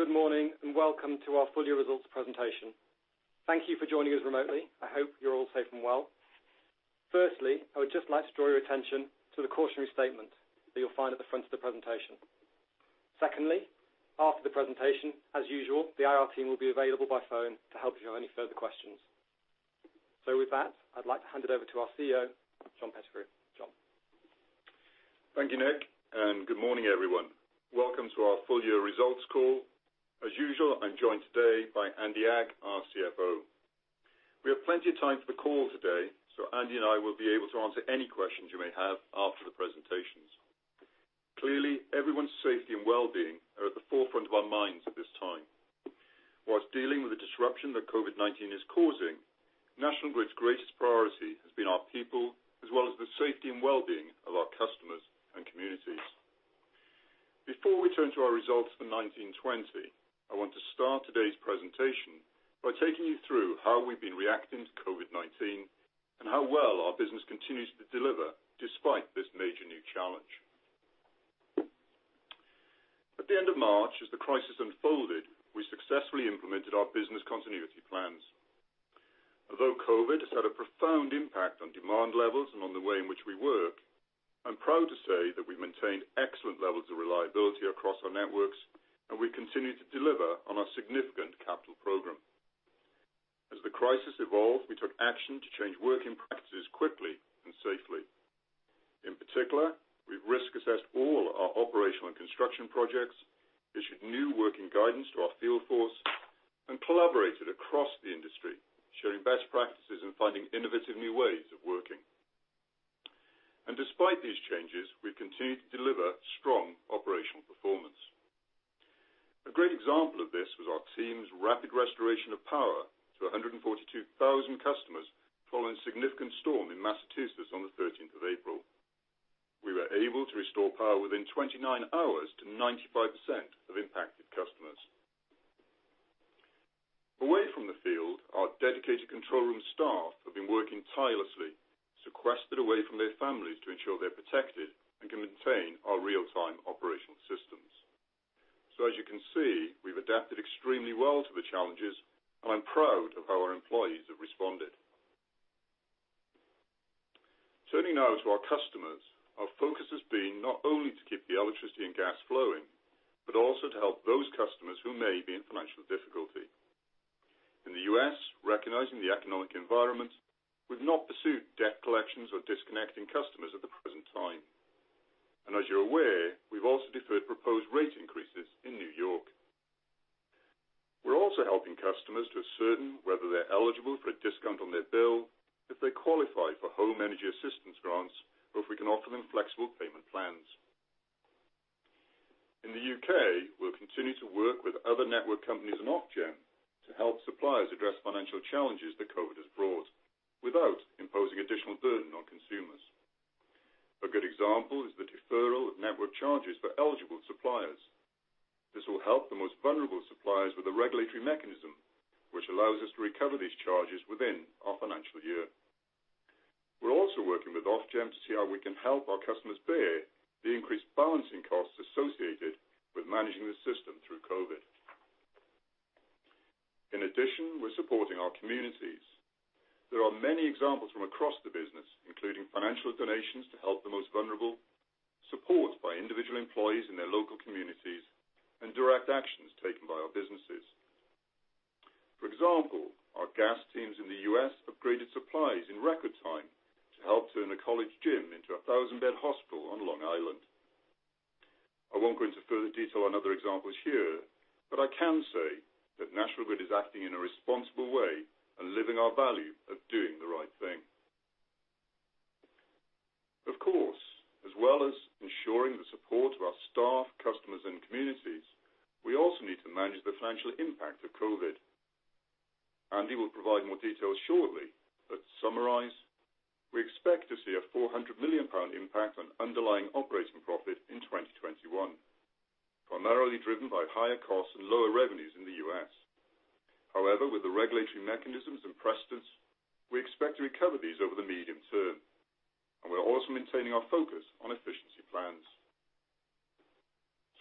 Good morning and welcome to our full-year results presentation. Thank you for joining us remotely. I hope you're all safe and well. Firstly, I would just like to draw your attention to the cautionary statement that you'll find at the front of the presentation. Secondly, after the presentation, as usual, the IR team will be available by phone to help you if you have any further questions. With that, I'd like to hand it over to our CEO, John Pettigrew. John. Thank you, Nick, and good morning, everyone. Welcome to our full-year results call. As usual, I'm joined today by Andy Agg, our Chief Financial Officer. We have plenty of time for the call today, so Andy and I will be able to answer any questions you may have after the presentations. Clearly, everyone's safety and well-being are at the forefront of our minds at this time. Whilst dealing with the disruption that COVID-19 is causing, National Grid's greatest priority has been our people as well as the safety and well-being of our customers and communities. Before we turn to our results for 2019-2020, I want to start today's presentation by taking you through how we've been reacting to COVID-19 and how well our business continues to deliver despite this major new challenge. At the end of March, as the crisis unfolded, we successfully implemented our business continuity plans. Although COVID has had a profound impact on demand levels and on the way in which we work, I'm proud to say that we've maintained excellent levels of reliability across our networks, and we continue to deliver on our significant capital program. As the crisis evolved, we took action to change working practices quickly and safely. In particular, we've risk-assessed all our operational and construction projects, issued new working guidance to our field force, and collaborated across the industry, sharing best practices and finding innovative new ways of working. Despite these changes, we've continued to deliver strong operational performance. A great example of this was our team's rapid restoration of power to 142,000 customers following a significant storm in Massachusetts on the 13th of April. We were able to restore power within 29 hours to 95% of impacted customers. Away from the field, our dedicated control room staff have been working tirelessly, sequestered away from their families to ensure they're protected and can maintain our real-time operational systems. So as you can see, we've adapted extremely well to the challenges, and I'm proud of how our employees have responded. Turning now to our customers, our focus has been not only to keep the electricity and gas flowing but also to help those customers who may be in financial difficulty. In the U.S., recognizing the economic environment, we've not pursued debt collections or disconnecting customers at the present time. And as you're aware, we've also deferred proposed rate increases in New York. We're also helping customers to ascertain whether they're eligible for a discount on their bill, if they qualify for home energy assistance grants, or if we can offer them flexible payment plans. In the U.K., we'll continue to work with other network companies and Ofgem to help suppliers address financial challenges that COVID has brought without imposing additional burden on consumers. A good example is the deferral of network charges for eligible suppliers. This will help the most vulnerable suppliers with a regulatory mechanism which allows us to recover these charges within our financial year. We're also working with Ofgem to see how we can help our customers bear the increased balancing costs associated with managing the system through COVID. In addition, we're supporting our communities. There are many examples from across the business, including financial donations to help the most vulnerable, support by individual employees in their local communities, and direct actions taken by our businesses. For example, our gas teams in the U.S. upgraded supplies in record time to help turn a college gym into a 1,000-bed hospital on Long Island. I won't go into further detail on other examples here, but I can say that National Grid is acting in a responsible way and living our value of doing the right thing. Of course, as well as ensuring the support of our staff, customers, and communities, we also need to manage the financial impact of COVID. Andy will provide more details shortly, but to summarize, we expect to see a 400 million pound impact on underlying operating profit in 2021, primarily driven by higher costs and lower revenues in the U.S. However, with the regulatory mechanisms in precedence, we expect to recover these over the medium term, and we're also maintaining our focus on efficiency plans.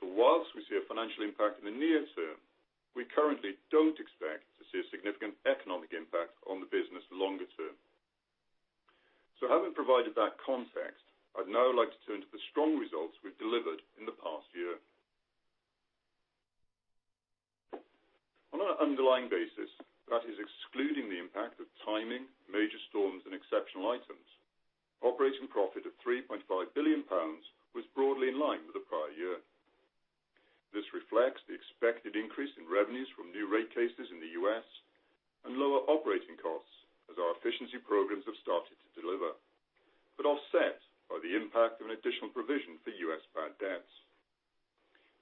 So whilst we see a financial impact in the near term, we currently don't expect to see a significant economic impact on the business longer term. So having provided that context, I'd now like to turn to the strong results we've delivered in the past year. On an underlying basis, that is excluding the impact of timing, major storms, and exceptional items, operating profit of 3.5 billion pounds was broadly in line with the prior year. This reflects the expected increase in revenues from new rate cases in the U.S. and lower operating costs as our efficiency programs have started to deliver, but offset by the impact of an additional provision for U.S.-backed debts.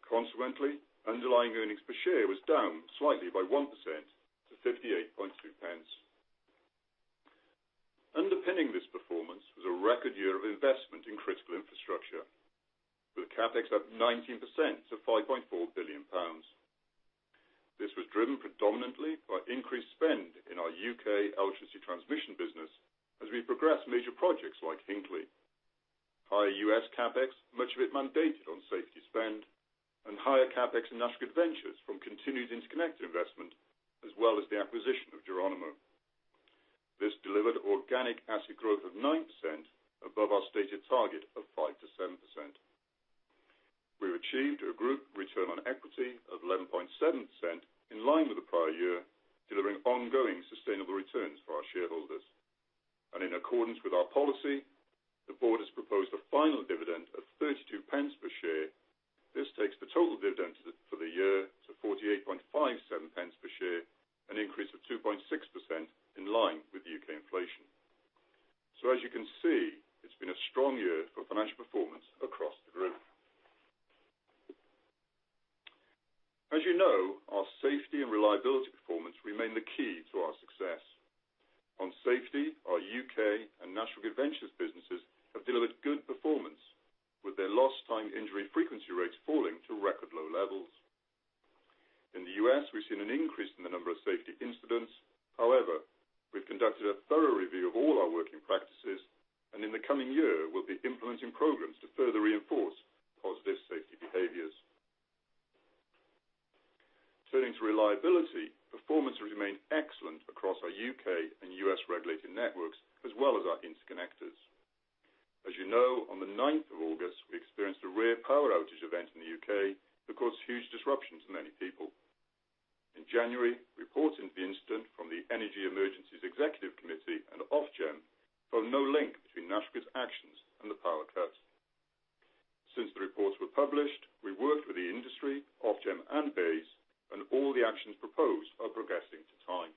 Consequently, underlying earnings per share was down slightly by 1% to 58.2. Underpinning this performance was a record year of investment in critical infrastructure, with a CapEx of 19% to 5.4 billion pounds. This was driven predominantly by increased spend in our U.K. electricity transmission business as we progressed major projects like Hinkley, higher U.S. CapEx, much of it mandated on safety spend, and higher CapEx in National Grid Ventures from continued interconnected investment as well as the acquisition of Geronimo. This delivered organic asset growth of 9% above our stated target of 5 to 7%. We achieved a group return on equity of 11.7% in line with the prior year, delivering ongoing sustainable returns for our shareholders. And in accordance with our policy, the board has proposed a final dividend of 32 per share. This takes the total dividend for the year to 48.57 per share, an increase of 2.6% in line with U.K. inflation. So as you can see, it's been a strong year for financial performance across the group. As you know, our safety and reliability performance remain the key to our success. On safety, our U.K. and National Grid Ventures businesses have delivered good performance, with their loss time injury frequency rates falling to record low levels. In the U.S., we've seen an increase in the number of safety incidents. However, we've conducted a thorough review of all our working practices, and in the coming year, we'll be implementing programs to further reinforce positive safety behaviors. Turning to reliability, performance has remained excellent across our U.K. and U.S. regulated networks as well as our interconnectors. As you know, on the 9th of August, we experienced a rare power outage event in the U.K. that caused huge disruption to many people. In January, reports into the incident from the Energy Emergencies Executive Committee and Ofgem found no link between National Grid's actions and the power cuts. Since the reports were published, we worked with the industry, Ofgem, and Bays, and all the actions proposed are progressing to time.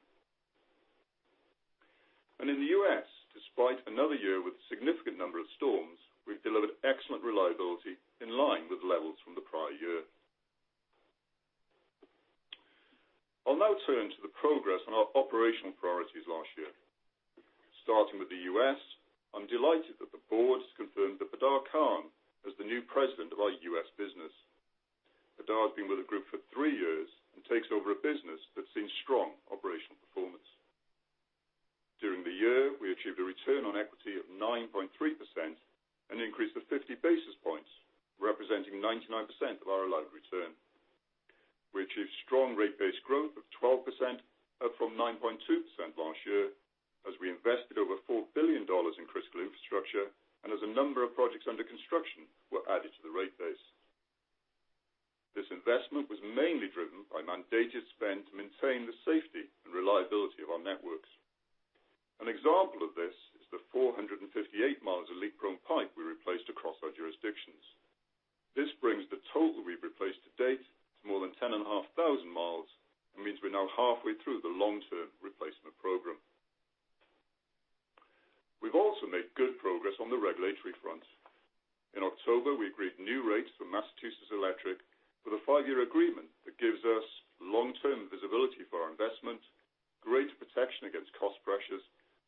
And in the U.S., despite another year with a significant number of storms, we've delivered excellent reliability in line with levels from the prior year. I'll now turn to the progress on our operational priorities last year. Starting with the U.S., I'm delighted that the board has confirmed that Badar Khan as the new president of our U.S. business. Badar has been with the group for three years and takes over a business that's seen strong operational performance. During the year, we achieved a return on equity of 9.3% and increased to 50 basis points, representing 99% of our allowed return. We achieved strong rate-based growth of 12%, up from 9.2% last year, as we invested over $4 billion in critical infrastructure and as a number of projects under construction were added to the rate base. This investment was mainly driven by mandated spend to maintain the safety and reliability of our networks. An example of this is the 458 miles of leak-prone pipe we replaced across our jurisdictions. This brings the total we've replaced to date to more than 10,500 miles and means we're now halfway through the long-term replacement program. We've also made good progress on the regulatory front. In October, we agreed new rates for Massachusetts Electric for the five-year agreement that gives us long-term visibility for our investment, greater protection against cost pressures,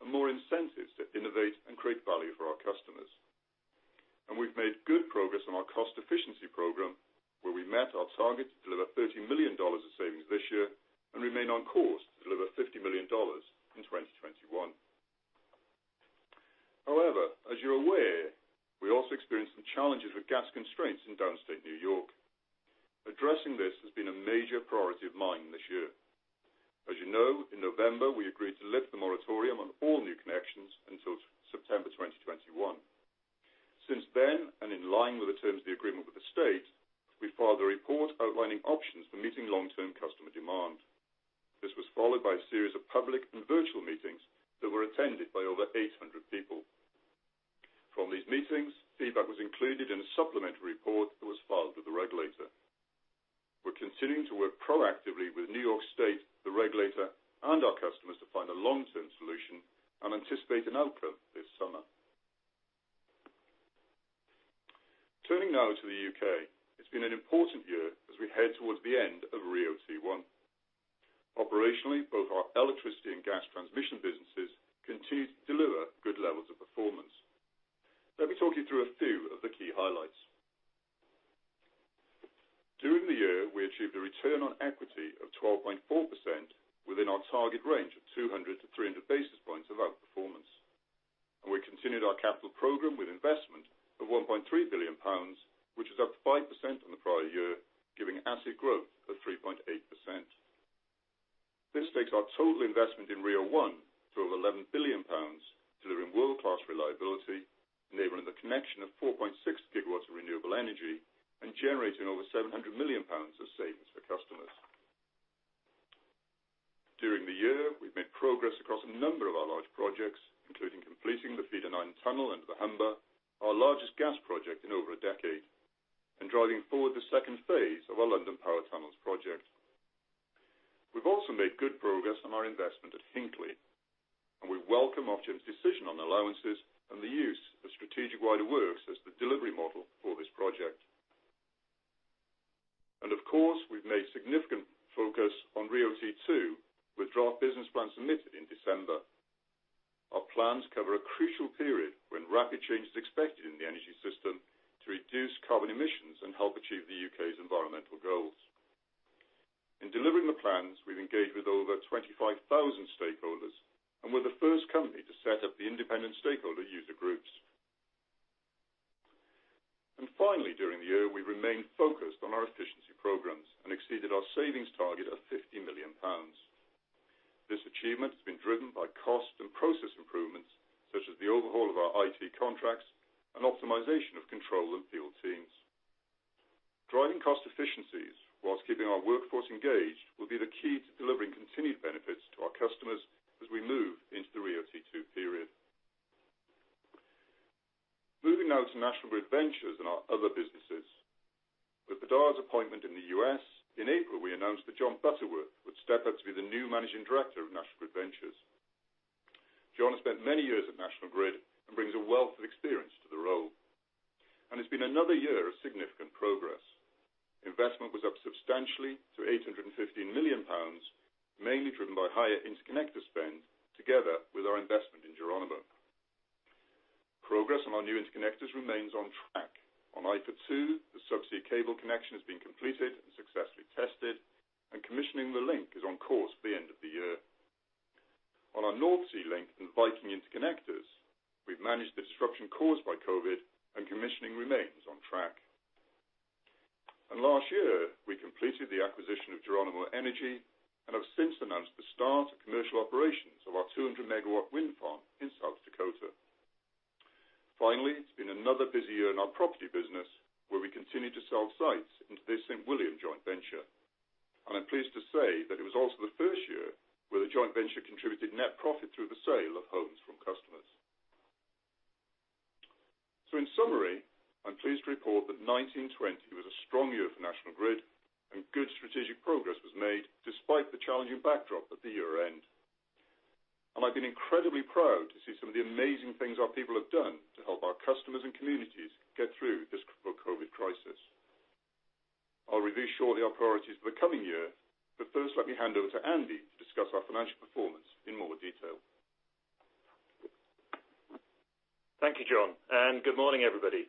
and more incentives to innovate and create value for our customers. And we've made good progress on our cost efficiency program, where we met our target to deliver $30 million of savings this year and remain on course to deliver $50 million in 2021. However, as you're aware, we also experienced some challenges with gas constraints in downstate New York. Addressing this has been a major priority of mine this year. As you know, in November, we agreed to lift the moratorium on all new connections until September 2021. Since then, and in line with the terms of the agreement with the state, we filed a report outlining options for meeting long-term customer demand. This was followed by a series of public and virtual meetings that were attended by over 800 people. From these meetings, feedback was included in a supplementary report that was filed with the regulator. We're continuing to work proactively with New York State, the regulator, and our customers to find a long-term solution and anticipate an outcome this summer. Turning now to the U.K., it's been an important year as we head towards the end of RIIO-T1. Operationally, both our electricity and gas transmission businesses continue to deliver good levels of performance. Let me talk you through a few of the key highlights. During the year, we achieved a return on equity of 12.4% within our target range of 200 to 300 basis points of our performance. And we continued our capital program with investment of 1.3 billion pounds, which is up 5% on the prior year, giving asset growth of 3.8%. This takes our total investment in RIIO 1 to over 11 billion pounds, delivering world-class reliability, enabling the connection of 4.6 GW of renewable energy and generating over 700 million pounds of savings for customers. During the year, we've made progress across a number of our large projects, including completing the Feeder 9 tunnel under the Humber, our largest gas project in over a decade, and driving forward the second phase of our London Power Tunnels project. We've also made good progress on our investment at Hinkley, and we welcome Ofgem's decision on allowances and the use of Strategic Wider Works as the delivery model for this project. And of course, we've made significant focus on RIIO-T2 with draft business plans submitted in December. Our plans cover a crucial period when rapid change is expected in the energy system to reduce carbon emissions and help achieve the U.K.'s environmental goals. In delivering the plans, we've engaged with over 25,000 stakeholders and were the first company to set up the independent stakeholder user groups. And finally, during the year, we've remained focused on our efficiency programs and exceeded our savings target of 50 million pounds. This achievement has been driven by cost and process improvements such as the overhaul of our IT contracts and optimization of control and field teams. Driving cost efficiencies whilst keeping our workforce engaged will be the key to delivering continued benefits to our customers as we move into the RIIO-T2 period. Moving now to National Grid Ventures and our other businesses. With Badar's appointment in the U.S., in April, we announced that John Butterworth would step up to be the new managing director of National Grid Ventures. John has spent many years at National Grid and brings a wealth of experience to the role. And it's been another year of significant progress. Investment was up substantially to 815 million pounds, mainly driven by higher interconnector spend together with our investment in Geronimo. Progress on our new interconnectors remains on track. On IFA2, the subsea cable connection has been completed and successfully tested, and commissioning the link is on course for the end of the year. On our North Sea Link and Viking interconnectors, we've managed the disruption caused by COVID, and commissioning remains on track. And last year, we completed the acquisition of Geronimo Energy and have since announced the start of commercial operations of our 200-MW wind farm in South Dakota. Finally, it's been another busy year in our property business, where we continue to sell sites into this St. William joint venture. And I'm pleased to say that it was also the first year where the joint venture contributed net profit through the sale of homes from customers. So in summary, I'm pleased to report that 2019-2020 was a strong year for National Grid, and good strategic progress was made despite the challenging backdrop at the year-end. And I've been incredibly proud to see some of the amazing things our people have done to help our customers and communities get through this COVID crisis. I'll review shortly our priorities for the coming year, but first, let me hand over to Andy to discuss our financial performance in more detail. Thank you, John, and good morning, everybody.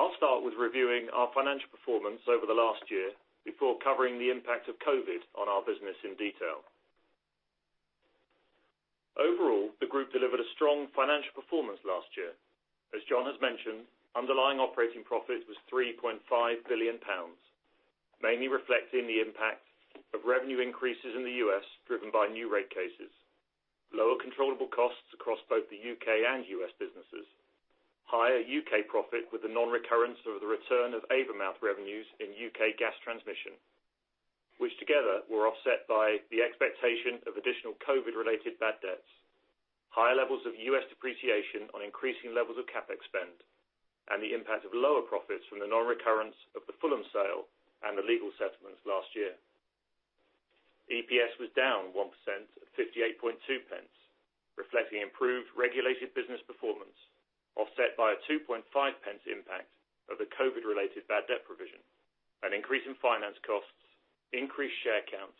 I'll start with reviewing our financial performance over the last year before covering the impact of COVID on our business in detail. Overall, the group delivered a strong financial performance last year. As John has mentioned, underlying operating profit was 3.5 billion pounds, mainly reflecting the impact of revenue increases in the U.S. driven by new rate cases, lower controllable costs across both the U.K. and U.S. businesses, higher U.K. profit with the non-recurrence of the return of Avonmouth revenues in U.K. gas transmission, which together were offset by the expectation of additional COVID-related bad debts, higher levels of U.S. depreciation on increasing levels of CapEx spend, and the impact of lower profits from the non-recurrence of the full-on sale and the legal settlements last year. EPS was down 1% at 58.2, reflecting improved regulated business performance, offset by a 2.5 impact of the COVID-related bad debt provision, an increase in finance costs, increased share count,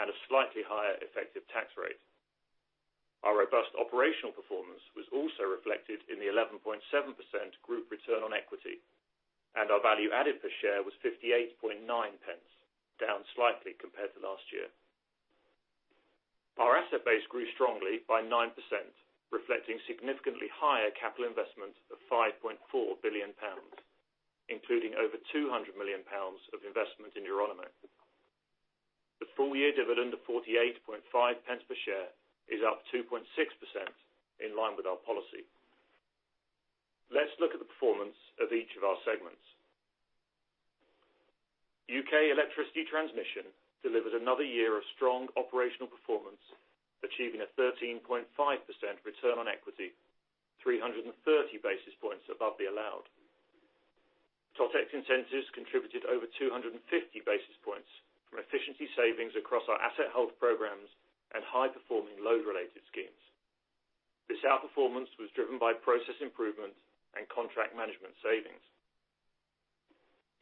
and a slightly higher effective tax rate. Our robust operational performance was also reflected in the 11.7% group return on equity, and our value added per share was 58.9, down slightly compared to last year. Our asset base grew strongly by 9%, reflecting significantly higher capital investment of 5.4 billion pounds, including over 200 million pounds of investment in Geronimo. The full-year dividend of 48.5 per share is up 2.6% in line with our policy. Let's look at the performance of each of our segments. U.K. electricity transmission delivered another year of strong operational performance, achieving a 13.5% return on equity, 330 basis points above the allowed. TotEx incentives contributed over 250 basis points from efficiency savings across our asset health programs and high-performing load-related schemes. This outperformance was driven by process improvement and contract management savings.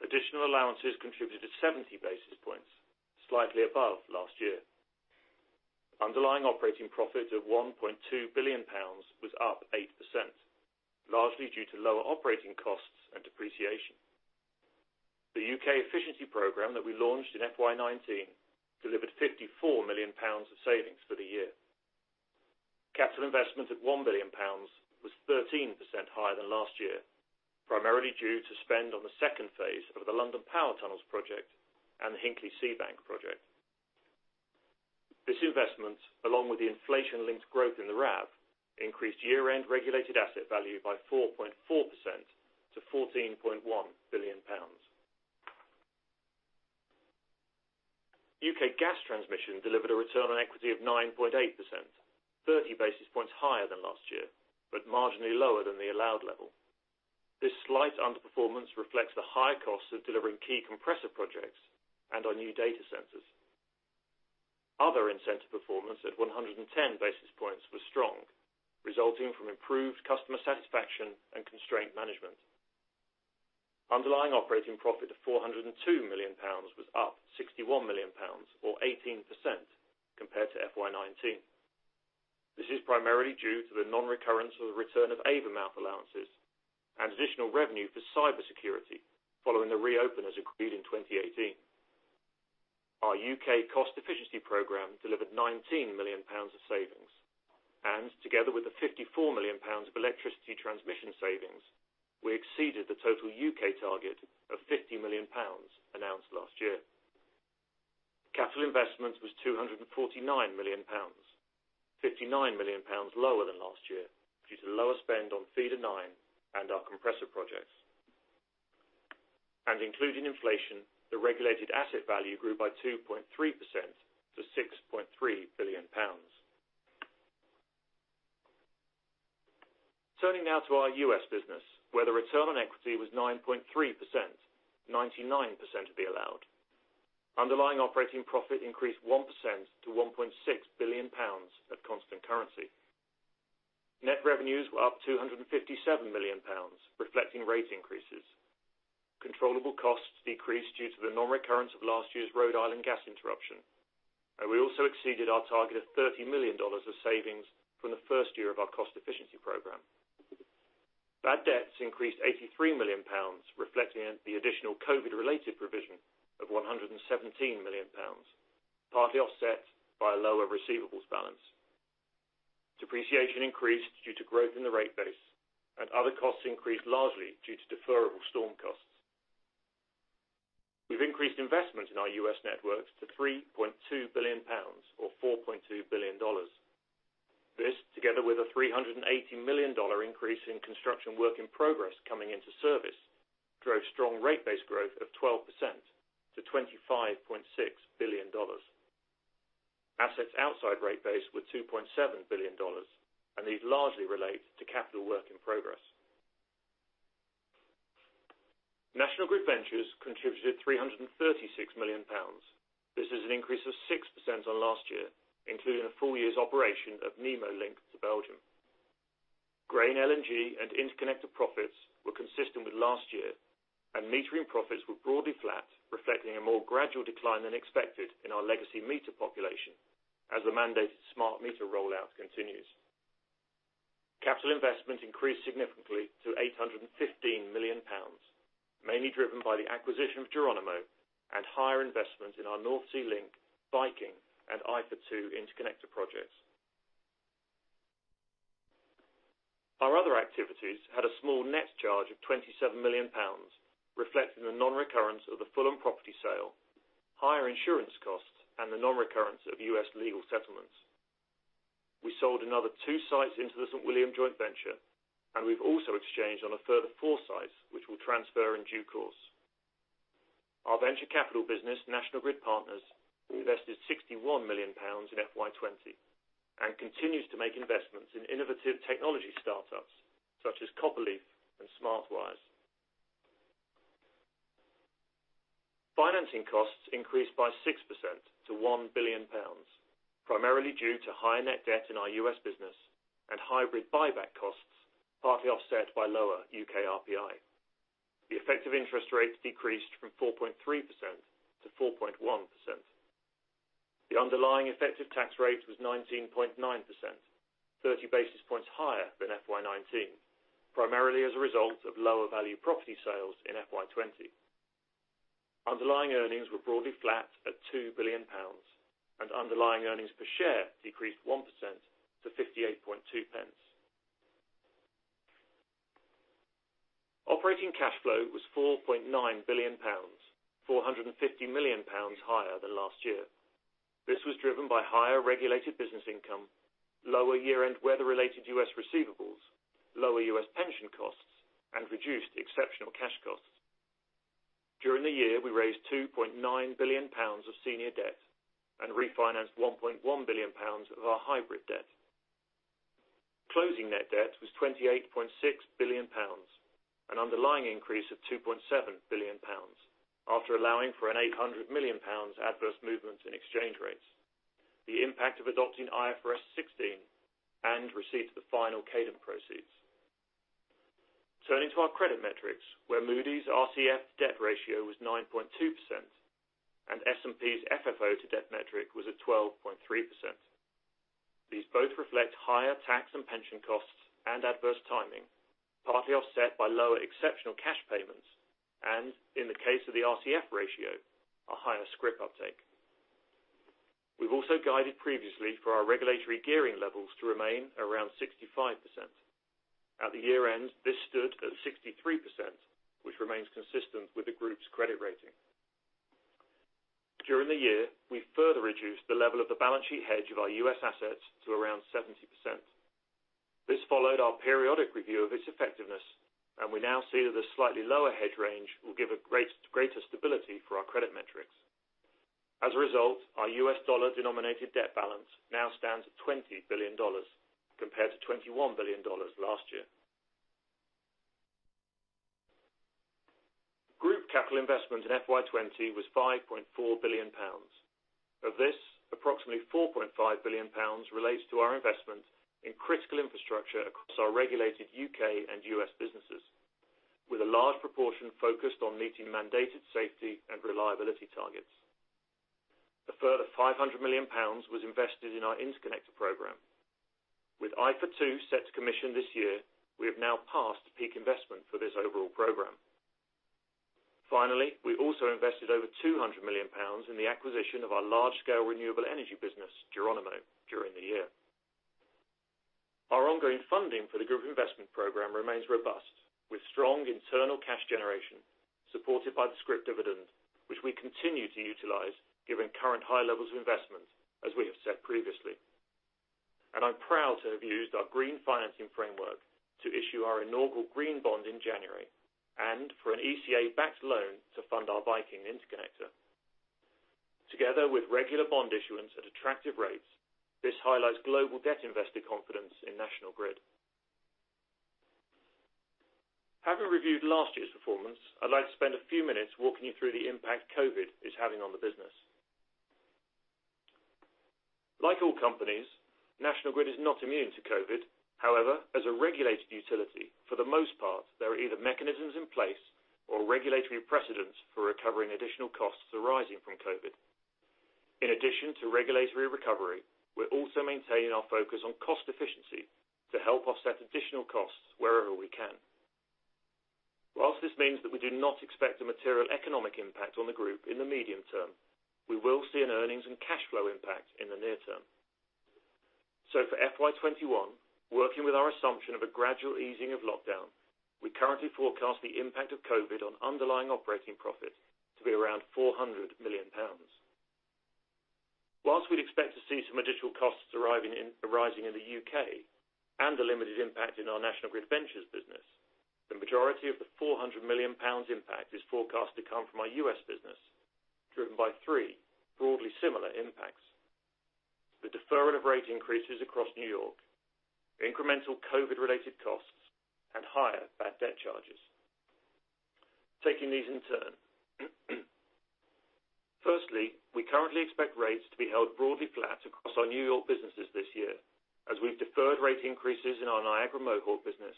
Additional allowances contributed to 70 basis points, slightly above last year. Underlying operating profit of 1.2 billion pounds was up 8%, largely due to lower operating costs and depreciation. The U.K. efficiency program that we launched in FY 2019 delivered 54 million pounds of savings for the year. Capital investment at 1 billion pounds was 13% higher than last year, primarily due to spend on the second phase of the London Power Tunnels project and the Hinkley Sea Bank project. This investment, along with the inflation-linked growth in the RAV, increased year-end regulated asset value by 4.4% to GBP 14.1 billion. U.K. gas transmission delivered a return on equity of 9.8%, 30 basis points higher than last year, but marginally lower than the allowed level. This slight underperformance reflects the higher costs of delivering key compressor projects and our new data centers. Other incentive performance at 110 basis points was strong, resulting from improved customer satisfaction and constraint management. Underlying operating profit of 402 million pounds was up 61 million pounds, or 18%, compared to FY 2019. This is primarily due to the non-recurrence of the return of Avonmouth allowances and additional revenue for cybersecurity following the reopen as agreed in 2018. Our U.K. cost efficiency program delivered 19 million pounds of savings. And together with the 54 million pounds of electricity transmission savings, we exceeded the total U.K. target of 50 million pounds announced last year. Capital investment was 249 million pounds, 59 million pounds lower than last year due to lower spend on Feeder 9 and our compressor projects. And including inflation, the regulated asset value grew by 2.3% to 6.3 billion pounds. Turning now to our U.S. business, where the return on equity was 9.3%, 99% of the allowed. Underlying operating profit increased 1% to 1.6 billion pounds at constant currency. Net revenues were up 257 million pounds, reflecting rate increases. Controllable costs decreased due to the non-recurrence of last year's Rhode Island gas interruption, and we also exceeded our target of $30 million of savings from the first year of our cost efficiency program. Bad debts increased 83 million pounds, reflecting the additional COVID-related provision of 117 million pounds, partly offset by a lower receivables balance. Depreciation increased due to growth in the rate base, and other costs increased largely due to deferable storm costs. We've increased investment in our U.S. networks to 3.2 billion pounds, or $4.2 billion. This, together with a $380 million increase in construction work in progress coming into service, drove strong rate base growth of 12% to $25.6 billion. Assets outside rate base were $2.7 billion, and these largely relate to capital work in progress. National Grid Ventures contributed 336 million pounds. This is an increase of 6% on last year, including a full year's operation of Nemo Link to Belgium. Grain LNG and interconnector profits were consistent with last year, and metering profits were broadly flat, reflecting a more gradual decline than expected in our legacy meter population as the mandated smart meter rollout continues. Capital investment increased significantly to 815 million pounds, mainly driven by the acquisition of Geronimo and higher investment in our North Sea Link, Viking, and IFA2 interconnector projects. Our other activities had a small net charge of 27 million pounds, reflecting the non-recurrence of the full-on property sale, higher insurance costs, and the non-recurrence of U.S. legal settlements. We sold another two sites into the St. William joint venture, and we've also exchanged on a further four sites, which will transfer in due course. Our venture capital business, National Grid Partners, invested 61 million pounds in FY 2020 and continues to make investments in innovative technology startups such as Copperleaf and Smart Wires. Financing costs increased by 6% to 1 billion pounds, primarily due to higher net debt in our U.S. business and hybrid buyback costs, partly offset by lower U.K. RPI. The effective interest rate decreased from 4.3% to 4.1%. The underlying effective tax rate was 19.9%, 30 basis points higher than FY 2019, primarily as a result of lower value property sales in FY 2020. Underlying earnings were broadly flat at 2 billion pounds, and underlying earnings per share decreased 1% to 58.2. Operating cash flow was 4.9 billion pounds, 450 million pounds higher than last year. This was driven by higher regulated business income, lower year-end weather-related U.S. receivables, lower U.S. pension costs, and reduced exceptional cash costs. During the year, we raised 2.9 billion pounds of senior debt and refinanced 1.1 billion pounds of our hybrid debt. Closing net debt was 28.6 billion pounds, an underlying increase of 2.7 billion pounds after allowing for an 800 million pounds adverse movement in exchange rates, the impact of adopting IFRS 16 and receipt of the final Cadent proceeds. Turning to our credit metrics, where Moody's RCF debt ratio was 9.2% and S&P's FFO to debt metric was at 12.3%. These both reflect higher tax and pension costs and adverse timing, partly offset by lower exceptional cash payments and, in the case of the RCF ratio, a higher SCRIP uptake. We've also guided previously for our regulatory gearing levels to remain around 65%. At the year-end, this stood at 63%, which remains consistent with the group's credit rating. During the year, we further reduced the level of the balance sheet hedge of our U.S. assets to around 70%. This followed our periodic review of its effectiveness, and we now see that a slightly lower hedge range will give a greater stability for our credit metrics. As a result, our U.S. dollar-denominated debt balance now stands at $20 billion compared to $21 billion last year. Group capital investment in FY 2020 was 5.4 billion pounds. Of this, approximately 4.5 billion pounds relates to our investment in critical infrastructure across our regulated U.K. and U.S. businesses, with a large proportion focused on meeting mandated safety and reliability targets. A further 500 million pounds was invested in our interconnector program. With IFA2 set to commission this year, we have now passed peak investment for this overall program. Finally, we also invested over 200 million pounds in the acquisition of our large-scale renewable energy business, Geronimo, during the year. Our ongoing funding for the group investment program remains robust, with strong internal cash generation supported by the SCRIP dividend, which we continue to utilize given current high levels of investment, as we have said previously. And I'm proud to have used our green financing framework to issue our inaugural green bond in January and for an ECA-backed loan to fund our Viking interconnector. Together with regular bond issuance at attractive rates, this highlights global debt investor confidence in National Grid. Having reviewed last year's performance, I'd like to spend a few minutes walking you through the impact COVID is having on the business. Like all companies, National Grid is not immune to COVID. However, as a regulated utility, for the most part, there are either mechanisms in place or regulatory precedents for recovering additional costs arising from COVID. In addition to regulatory recovery, we're also maintaining our focus on cost efficiency to help offset additional costs wherever we can. Whilst this means that we do not expect a material economic impact on the group in the medium term, we will see an earnings and cash flow impact in the near term. So for FY 2021, working with our assumption of a gradual easing of lockdown, we currently forecast the impact of COVID on underlying operating profit to be around 400 million pounds. Whilst we'd expect to see some additional costs arising in the U.K. and a limited impact in our National Grid Ventures business, the majority of the 400 million pounds impact is forecast to come from our U.S. business, driven by three broadly similar impacts: the deferral of rate increases across New York, incremental COVID-related costs, and higher bad debt charges. Taking these in turn, firstly, we currently expect rates to be held broadly flat across our New York businesses this year, as we've deferred rate increases in our Niagara Mohawk business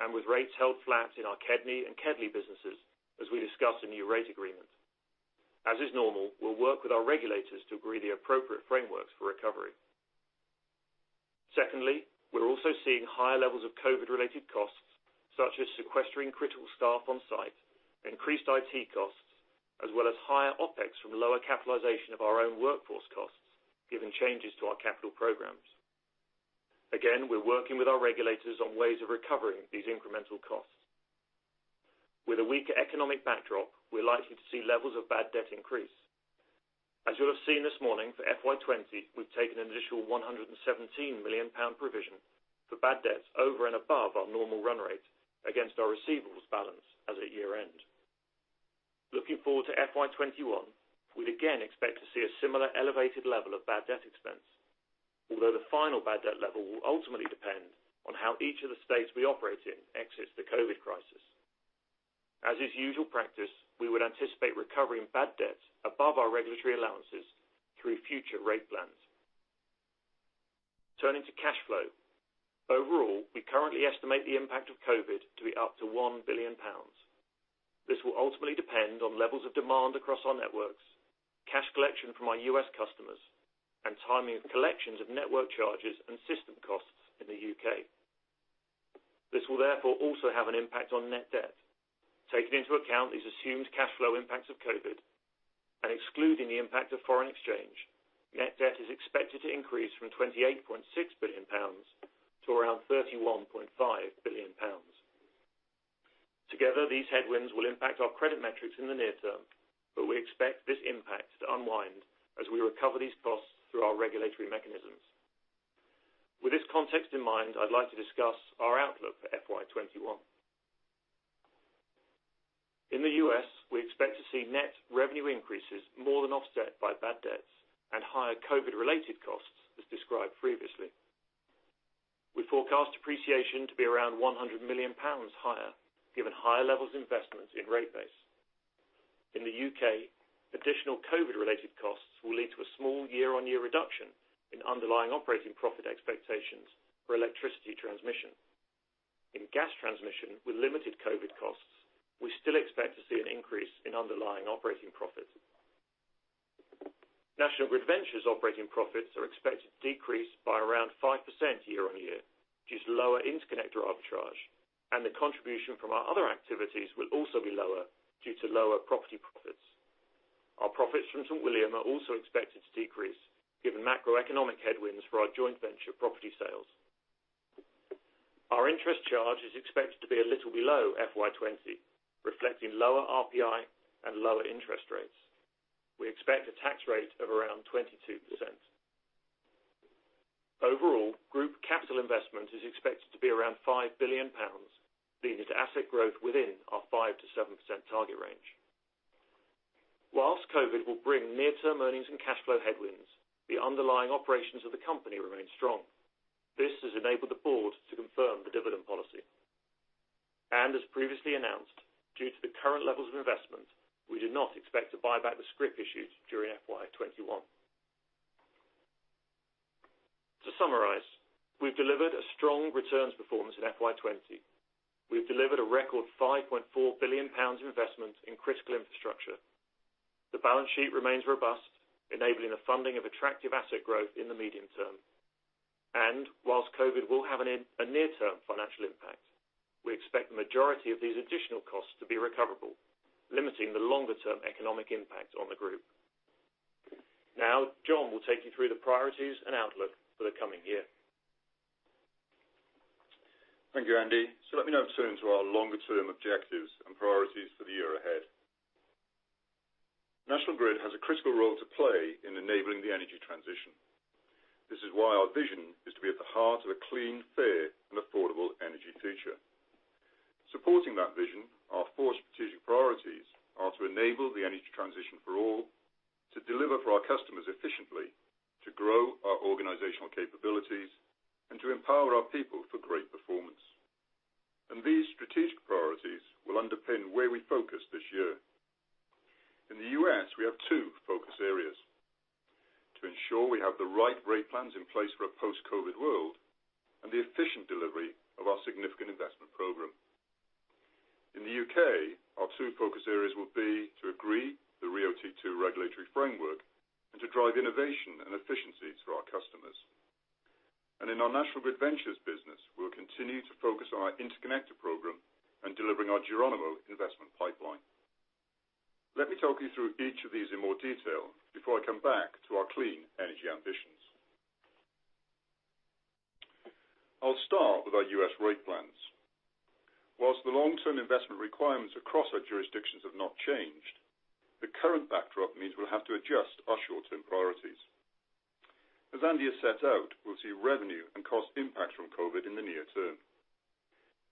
and with rates held flat in our Kedney and Kedley businesses, as we discuss a new rate agreement. As is normal, we'll work with our regulators to agree the appropriate frameworks for recovery. Secondly, we're also seeing higher levels of COVID-related costs, such as sequestering critical staff on site, increased IT costs, as well as higher OPEX from lower capitalization of our own workforce costs, given changes to our capital programs. Again, we're working with our regulators on ways of recovering these incremental costs. With a weaker economic backdrop, we're likely to see levels of bad debt increase. As you'll have seen this morning, for FY 2020, we've taken an additional 117 million pound provision for bad debts over and above our normal run rate against our receivables balance as at year-end. Looking forward to FY 2021, we'd again expect to see a similar elevated level of bad debt expense, although the final bad debt level will ultimately depend on how each of the states we operate in exits the COVID crisis. As is usual practice, we would anticipate recovering bad debt above our regulatory allowances through future rate plans. Turning to cash flow, overall, we currently estimate the impact of COVID to be up to 1 billion pounds. This will ultimately depend on levels of demand across our networks, cash collection from our U.S. customers, and timing of collections of network charges and system costs in the U.K. This will therefore also have an impact on net debt. Taking into account these assumed cash flow impacts of COVID and excluding the impact of foreign exchange, net debt is expected to increase from 28.6 billion pounds to around 31.5 billion pounds. Together, these headwinds will impact our credit metrics in the near term, but we expect this impact to unwind as we recover these costs through our regulatory mechanisms. With this context in mind, I'd like to discuss our outlook for FY 2021. In the U.S., we expect to see net revenue increases more than offset by bad debts and higher COVID-related costs, as described previously. We forecast depreciation to be around 100 million pounds higher, given higher levels of investment in rate base. In the U.K., additional COVID-related costs will lead to a small year-on-year reduction in underlying operating profit expectations for electricity transmission. In gas transmission, with limited COVID costs, we still expect to see an increase in underlying operating profits. National Grid Ventures' operating profits are expected to decrease by around 5% year-on-year due to lower interconnector arbitrage, and the contribution from our other activities will also be lower due to lower property profits. Our profits from St. William are also expected to decrease, given macroeconomic headwinds for our joint venture property sales. Our interest charge is expected to be a little below FY 2020, reflecting lower RPI and lower interest rates. We expect a tax rate of around 22%. Overall, group capital investment is expected to be around 5 billion pounds, leading to asset growth within our 5% to 7% target range. Whilst COVID will bring near-term earnings and cash flow headwinds, the underlying operations of the company remain strong. This has enabled the board to confirm the dividend policy. And as previously announced, due to the current levels of investment, we do not expect to buy back the SCRIP issued during FY 2021. To summarise, we've delivered a strong returns performance in FY 2020. We've delivered a record 5.4 billion pounds of investment in critical infrastructure. The balance sheet remains robust, enabling the funding of attractive asset growth in the medium term. And whilst COVID will have a near-term financial impact, we expect the majority of these additional costs to be recoverable, limiting the longer-term economic impact on the group. Now, John will take you through the priorities and outlook for the coming year. Thank you, Andy. So let me now turn to our longer-term objectives and priorities for the year ahead. National Grid has a critical role to play in enabling the energy transition. This is why our vision is to be at the heart of a clean, fair, and affordable energy future. Supporting that vision, our four strategic priorities are to enable the energy transition for all, to deliver for our customers efficiently, to grow our organizational capabilities, and to empower our people for great performance. And these strategic priorities will underpin where we focus this year. In the U.S., we have two focus areas: to ensure we have the right rate plans in place for a post-COVID world and the efficient delivery of our significant investment program. In the U.K., our two focus areas will be to agree the RIIO-T2 regulatory framework and to drive innovation and efficiencies for our customers. And in our National Grid Ventures business, we'll continue to focus on our interconnector program and delivering our Geronimo investment pipeline. Let me talk you through each of these in more detail before I come back to our clean energy ambitions. I'll start with our U.S. rate plans. Whilst the long-term investment requirements across our jurisdictions have not changed, the current backdrop means we'll have to adjust our short-term priorities. As Andy has set out, we'll see revenue and cost impacts from COVID in the near term.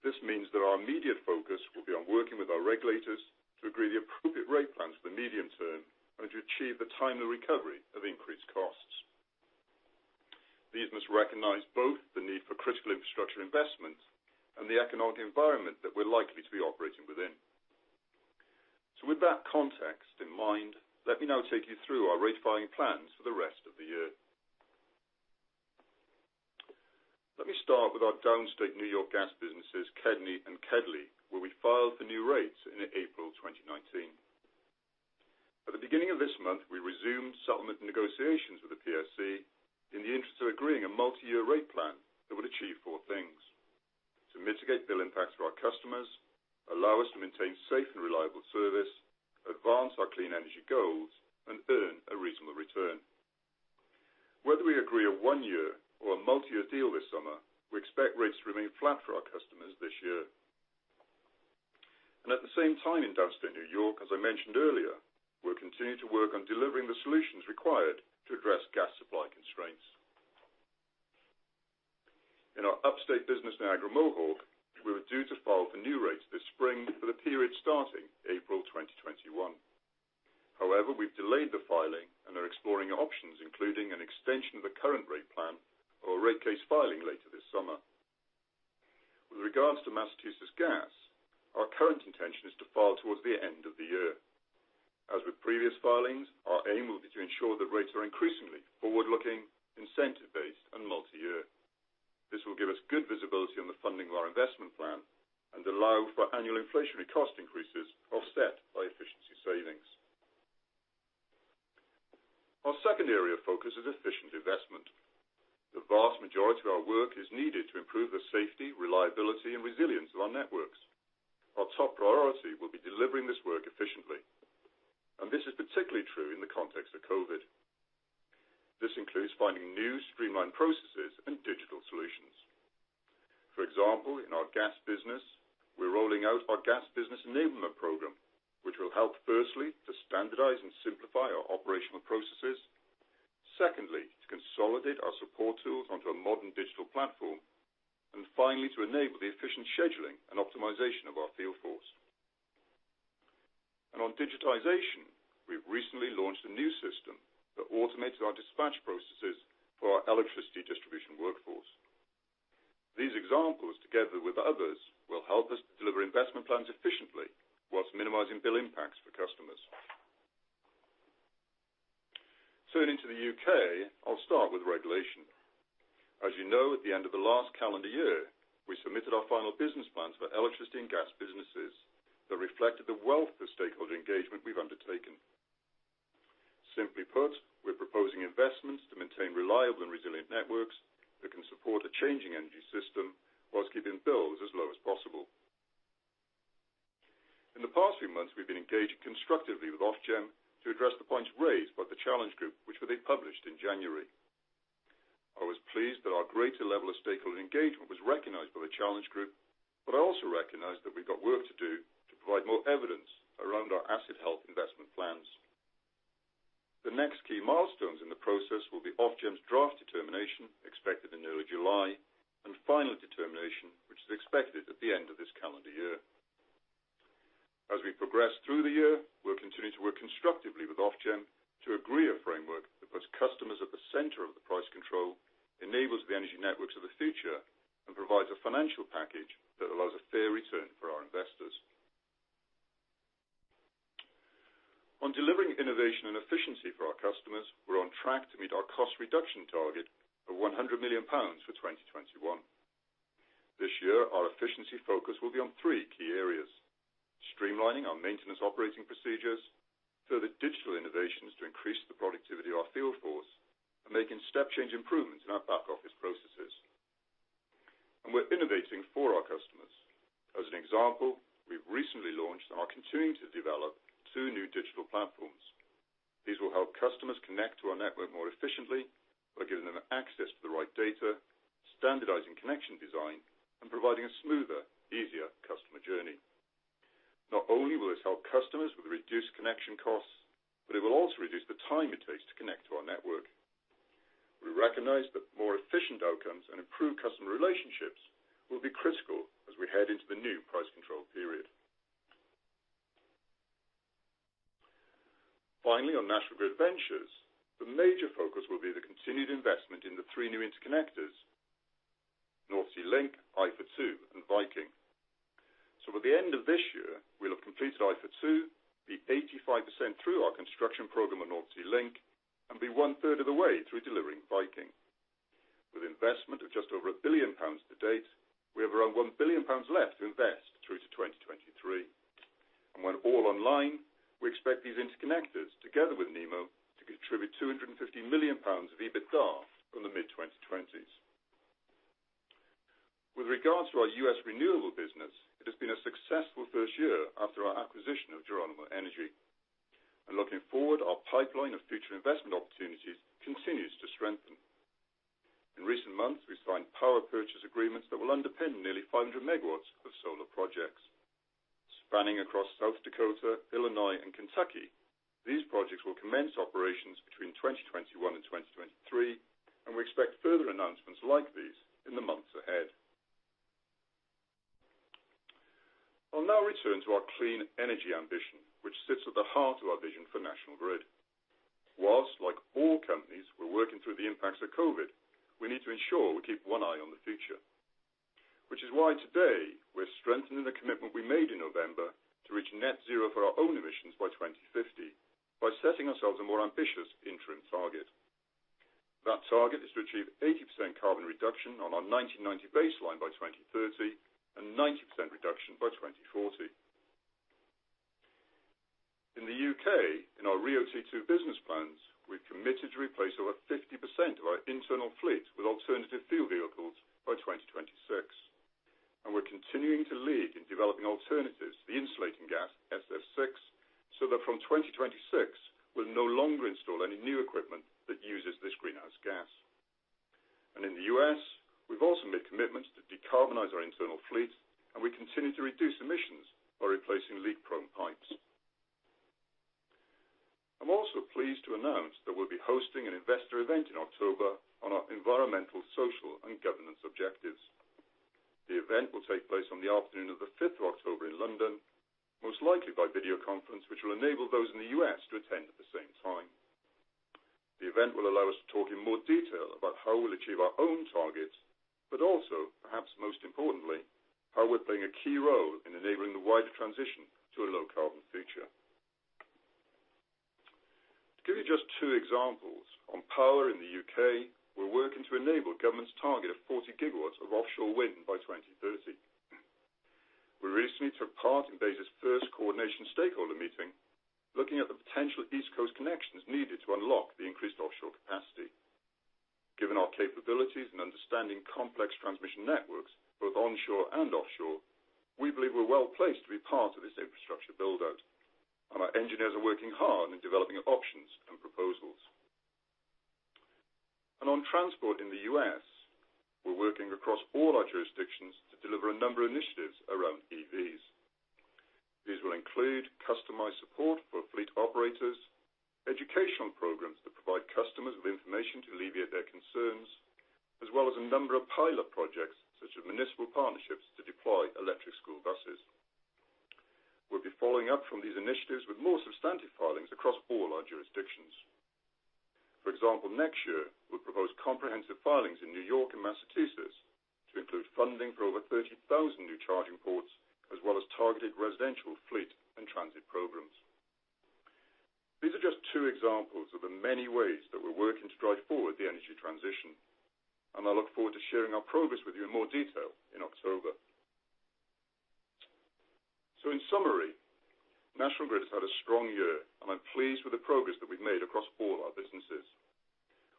This means that our immediate focus will be on working with our regulators to agree the appropriate rate plans for the medium term and to achieve the timely recovery of increased costs. These must recognize both the need for critical infrastructure investment and the economic environment that we're likely to be operating within. So with that context in mind, let me now take you through our rate filing plans for the rest of the year. Let me start with our downstate New York gas businesses, Kedney and Kedley, where we filed for new rates in April 2019. At the beginning of this month, we resumed settlement negotiations with the PSC in the interest of agreeing a multi-year rate plan that would achieve four things: to mitigate bill impacts for our customers, allow us to maintain safe and reliable service, advance our clean energy goals, and earn a reasonable return. Whether we agree a one-year or a multi-year deal this summer, we expect rates to remain flat for our customers this year. And at the same time in downstate New York, as I mentioned earlier, we'll continue to work on delivering the solutions required to address gas supply constraints. In our upstate business, Niagara Mohawk, we were due to file for new rates this spring for the period starting April 2021. However, we've delayed the filing and are exploring options including an extension of the current rate plan or a rate case filing later this summer. With regards to Massachusetts Gas, our current intention is to file towards the end of the year. As with previous filings, our aim will be to ensure that rates are increasingly forward-looking, incentive-based, and multi-year. This will give us good visibility on the funding of our investment plan and allow for annual inflationary cost increases offset by efficiency savings. Our second area of focus is efficient investment. The vast majority of our work is needed to improve the safety, reliability, and resilience of our networks. Our top priority will be delivering this work efficiently. And this is particularly true in the context of COVID. This includes finding new streamlined processes and digital solutions. For example, in our gas business, we're rolling out our gas business enablement program, which will help firstly to standardize and simplify our operational processes, secondly to consolidate our support tools onto a modern digital platform, and finally to enable the efficient scheduling and optimization of our field force. And on digitization, we've recently launched a new system that automates our dispatch processes for our electricity distribution workforce. These examples, together with others, will help us to deliver investment plans efficiently whilst minimizing bill impacts for customers. Turning to the U.K., I'll start with regulation. As you know, at the end of the last calendar year, we submitted our final business plans for electricity and gas businesses that reflected the wealth of stakeholder engagement we've undertaken. Simply put, we're proposing investments to maintain reliable and resilient networks that can support a changing energy system whilst keeping bills as low as possible. In the past few months, we've been engaging constructively with Ofgem to address the points raised by the challenge group, which were then published in January. I was pleased that our greater level of stakeholder engagement was recognized by the challenge group, but I also recognized that we've got work to do to provide more evidence around our asset health investment plans. The next key milestones in the process will be Ofgem's draft determination, expected in early July, and final determination, which is expected at the end of this calendar year. As we progress through the year, we'll continue to work constructively with Ofgem to agree a framework that puts customers at the center of the price control, enables the energy networks of the future, and provides a financial package that allows a fair return for our investors. On delivering innovation and efficiency for our customers, we're on track to meet our cost reduction target of 100 million pounds for 2021. This year, our efficiency focus will be on three key areas: streamlining our maintenance operating procedures, further digital innovations to increase the productivity of our field force, and making step-change improvements in our back-office processes. And we're innovating for our customers. As an example, we've recently launched and are continuing to develop two new digital platforms. These will help customers connect to our network more efficiently by giving them access to the right data, standardizing connection design, and providing a smoother, easier customer journey. Not only will this help customers with reduced connection costs, but it will also reduce the time it takes to connect to our network. We recognize that more efficient outcomes and improved customer relationships will be critical as we head into the new price control period. Finally, on National Grid Ventures, the major focus will be the continued investment in the three new interconnectors: North Sea Link, IFA2, and Viking. So by the end of this year, we'll have completed IFA2, be 85% through our construction program on North Sea Link, and be one-third of the way through delivering Viking. With investment of just over 1 billion pounds to date, we have around 1 billion pounds left to invest through to 2023. And when all online, we expect these interconnectors, together with Nemo, to contribute 250 million pounds of EBITDA from the mid-2020s. With regards to our U.S. renewable business, it has been a successful first year after our acquisition of Geronimo Energy. And looking forward, our pipeline of future investment opportunities continues to strengthen. In recent months, we've signed power purchase agreements that will underpin nearly 500 MW of solar projects. Spanning across South Dakota, Illinois, and Kentucky, these projects will commence operations between 2021 and 2023, and we expect further announcements like these in the months ahead. I'll now return to our clean energy ambition, which sits at the heart of our vision for National Grid. Whilst, like all companies, we're working through the impacts of COVID, we need to ensure we keep one eye on the future. Which is why today we're strengthening the commitment we made in November to reach net zero for our own emissions by 2050 by setting ourselves a more ambitious interim target. That target is to achieve 80% carbon reduction on our 1990 baseline by 2030 and 90% reduction by 2040. In the U.K., in our RIIO-T2 business plans, we've committed to replace over 50% of our internal fleet with alternative fuel vehicles by 2026. And we're continuing to lead in developing alternatives to the insulating gas SF6 so that from 2026, we'll no longer install any new equipment that uses this greenhouse gas. And in the U.S., we've also made commitments to decarbonize our internal fleet, and we continue to reduce emissions by replacing leak-prone pipes. I'm also pleased to announce that we'll be hosting an investor event in October on our environmental, social, and governance objectives. The event will take place on the afternoon of the 5th of October in London, most likely by video conference, which will enable those in the U.S. to attend at the same time. The event will allow us to talk in more detail about how we'll achieve our own targets, but also, perhaps most importantly, how we're playing a key role in enabling the wider transition to a low-carbon future. To give you just two examples, on power in the U.K., we're working to enable government's target of 40 GW of offshore wind by 2030. We recently took part in Bays' first coordination stakeholder meeting, looking at the potential east coast connections needed to unlock the increased offshore capacity. Given our capabilities and understanding complex transmission networks, both onshore and offshore, we believe we're well placed to be part of this infrastructure build-out. And our engineers are working hard in developing options and proposals. And on transport in the U.S., we're working across all our jurisdictions to deliver a number of initiatives around EVs. These will include customized support for fleet operators, educational programs that provide customers with information to alleviate their concerns, as well as a number of pilot projects such as municipal partnerships to deploy electric school buses. We'll be following up from these initiatives with more substantive filings across all our jurisdictions. For example, next year, we'll propose comprehensive filings in New York and Massachusetts to include funding for over 30,000 new charging ports, as well as targeted residential, fleet, and transit programs. These are just two examples of the many ways that we're working to drive forward the energy transition. And I look forward to sharing our progress with you in more detail in October. So in summary, National Grid has had a strong year, and I'm pleased with the progress that we've made across all our businesses.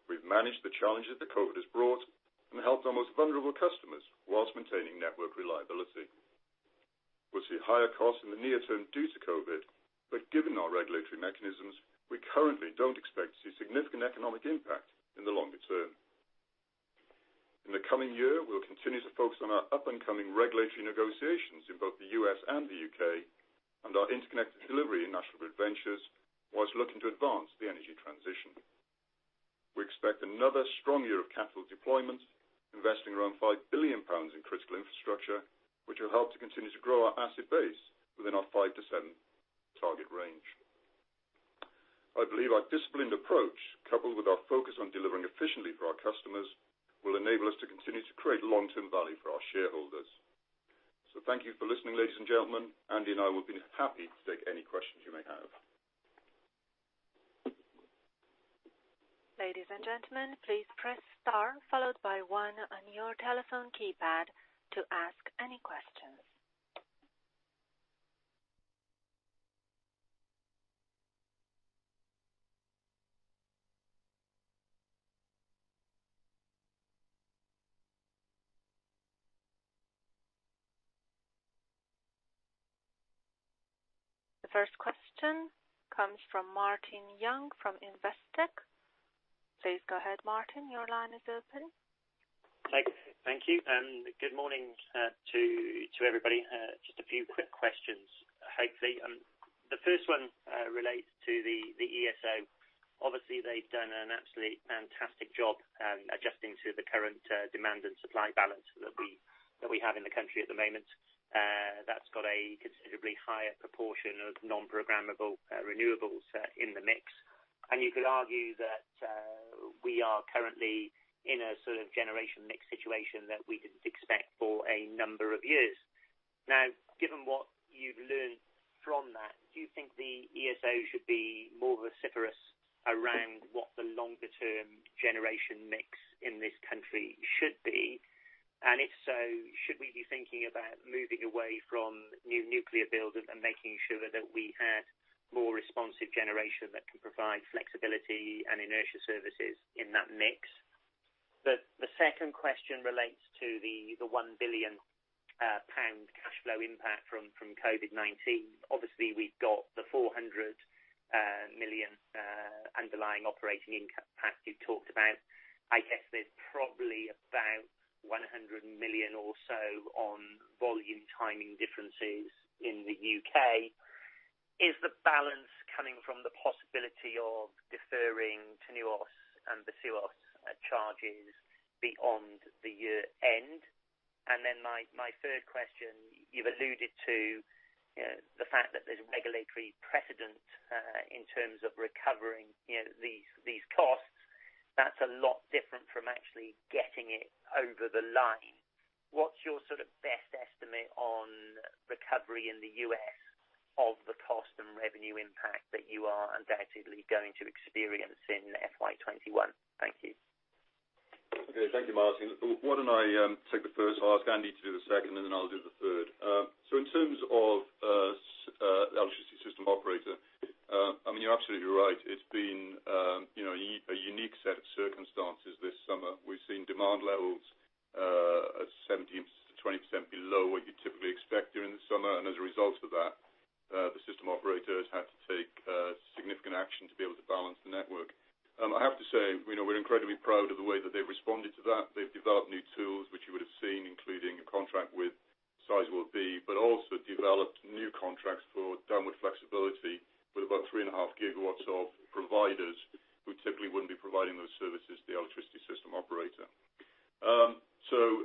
We've managed the challenges that COVID has brought and helped our most vulnerable customers whilst maintaining network reliability. We'll see higher costs in the near term due to COVID, but given our regulatory mechanisms, we currently don't expect to see significant economic impact in the longer term. In the coming year, we'll continue to focus on our up-and-coming regulatory negotiations in both the U.S. and the U.K., and our interconnected delivery in National Grid Ventures, whilst looking to advance the energy transition. We expect another strong year of capital deployment, investing around 5 billion pounds in critical infrastructure, which will help to continue to grow our asset base within our 5 to 7 target range. I believe our disciplined approach, coupled with our focus on delivering efficiently for our customers, will enable us to continue to create long-term value for our shareholders. So thank you for listening, ladies and gentlemen. Andy and I will be happy to take any questions you may have. Ladies and gentlemen, please press star followed by one on your telephone keypad to ask any questions. The first question comes from Martin Young from Investec. Please go ahead, Martin. Your line is open. Thank you. And good morning to everybody. Just a few quick questions, hopefully. The first one relates to the ESO. Obviously, they've done an absolutely fantastic job adjusting to the current demand and supply balance that we have in the country at the moment. That's got a considerably higher proportion of non-programmable renewables in the mix. And you could argue that we are currently in a sort of generation mix situation that we didn't expect for a number of years. Now, given what you've learned from that, do you think the ESO should be more vociferous around what the longer-term generation mix in this country should be? And if so, should we be thinking about moving away from new nuclear builds and making sure that we had more responsive generation that can provide flexibility and inertia services in that mix? The second question relates to the 1 billion pound cash flow impact from COVID-19. Obviously, we've got the 400 million underlying operating impact you've talked about. I guess there's probably about 100 million or so on volume timing differences in the U.K. Is the balance coming from the possibility of deferring TNUoS and BSUoS charges beyond the year-end? And then my third question, you've alluded to the fact that there's regulatory precedent in terms of recovering these costs. That's a lot different from actually getting it over the line. What's your sort of best estimate on recovery in the U.S. of the cost and revenue impact that you are undoubtedly going to experience in FY 2021? Thank you. Okay. Thank you, Martin. Why don't I take the first, ask Andy to do the second, and then I'll do the third. So in terms of electricity system operator, I mean, you're absolutely right. It's been a unique set of circumstances this summer. We've seen demand levels at 17 to 20% below what you typically expect during the summer. And as a result of that, the system operators had to take significant action to be able to balance the network. I have to say we're incredibly proud of the way that they've responded to that. They've developed new tools, which you would have seen, including a contract with Sizewell B, but also developed new contracts for downward flexibility with about three and a half GW of providers who typically wouldn't be providing those services to the electricity system operator. So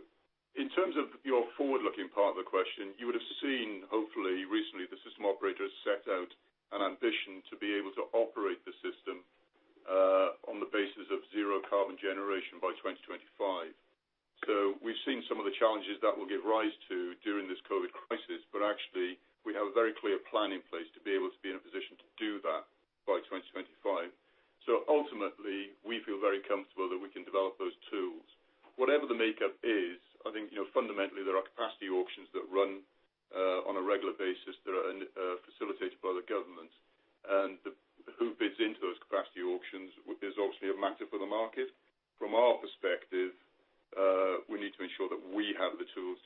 in terms of your forward-looking part of the question, you would have seen, hopefully, recently the system operators set out an ambition to be able to operate the system on the basis of zero carbon generation by 2025. So we've seen some of the challenges that will give rise to during this COVID crisis, but actually, we have a very clear plan in place to be able to be in a position to do that by 2025. So ultimately, we feel very comfortable that we can develop those tools. Whatever the makeup is, I think fundamentally there are capacity auctions that run on a regular basis that are facilitated by the government. And who bids into those capacity auctions is obviously a matter for the market. From our perspective, we need to ensure that we have the tools to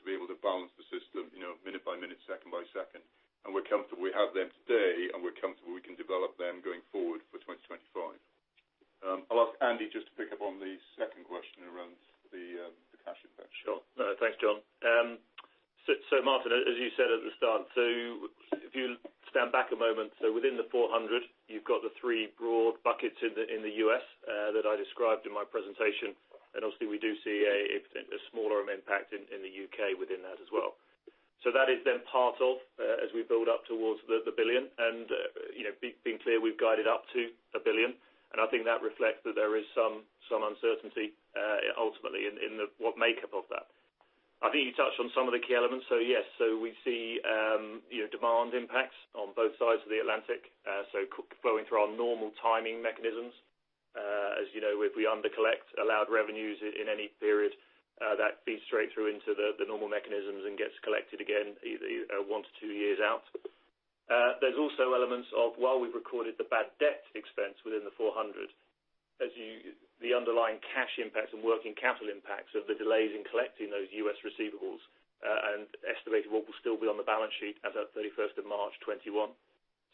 and estimated what will still be on the balance sheet as of 31st of March '21.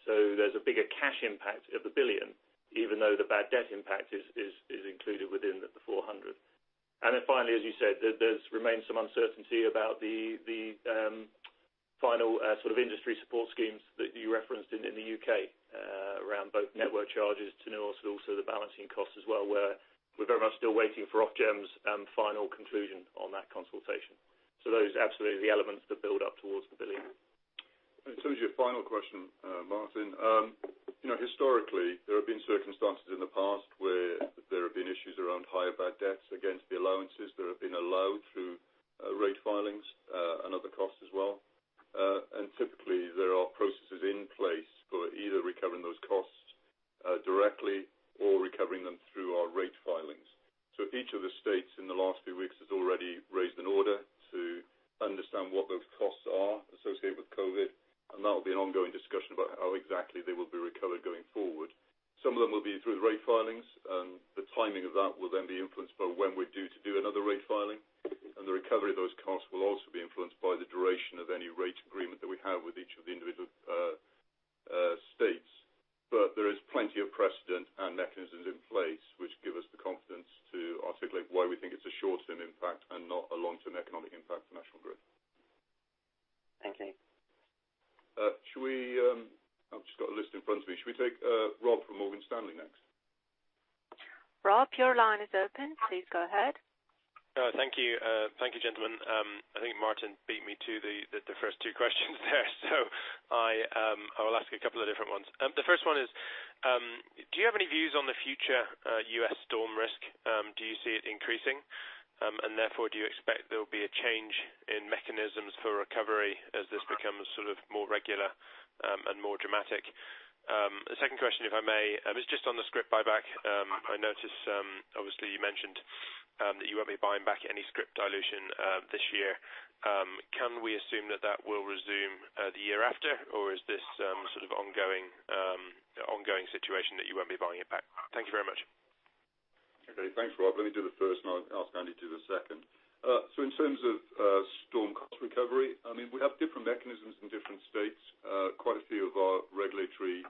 So there's a bigger cash impact of the billion, even though the bad debt impact is included within the 400. And then finally, as you said, there remains some uncertainty about the final sort of industry support schemes that you referenced in the U.K. around both network charges, TNUoS, and also the balancing costs as well, where we're very much still waiting for Ofgem's final conclusion on that consultation. So those are absolutely the elements that build up towards the billion. In terms of your final question, Martin, historically, there have been circumstances in the past where there have been issues around higher bad debts against the allowances. There have been a low through rate filings and other costs as well. And typically, there are processes in place for either recovering those costs directly or recovering them through our rate filings. So each of the states in the last few weeks has already raised an order to understand what those costs are associated with COVID. And that will be an ongoing discussion about how exactly they will be recovered going forward. Some of them will be through the rate filings, and the timing of that will then be influenced by when we're due to do another rate filing. And the recovery of those costs will also be influenced by the duration of any rate agreement that we have with each of the individual states. But there is plenty of precedent and mechanisms in place which give us the confidence to articulate why we think it's a short-term impact and not a long-term economic impact for National Grid. Thank you. I've just got a list in front of me. Should we take Rob from Morgan Stanley next? Rob, your line is open. Please go ahead. Thank you. Thank you, gentlemen. I think Martin beat me to the first two questions there, so I will ask a couple of different ones. The first one is, do you have any views on the future U.S. storm risk? Do you see it increasing? And therefore, do you expect there will be a change in mechanisms for recovery as this becomes sort of more regular and more dramatic? The second question, if I may, is just on the script buyback. I noticed, obviously, you mentioned that you won't be buying back any script dilution this year. Can we assume that that will resume the year after, or is this sort of an ongoing situation that you won't be buying it back? Thank you very much. Okay. Thanks, Rob. Let me do the first, and I'll ask Andy to do the second. So in terms of storm cost recovery, I mean, we have different mechanisms in different states. Quite a few of our regulatory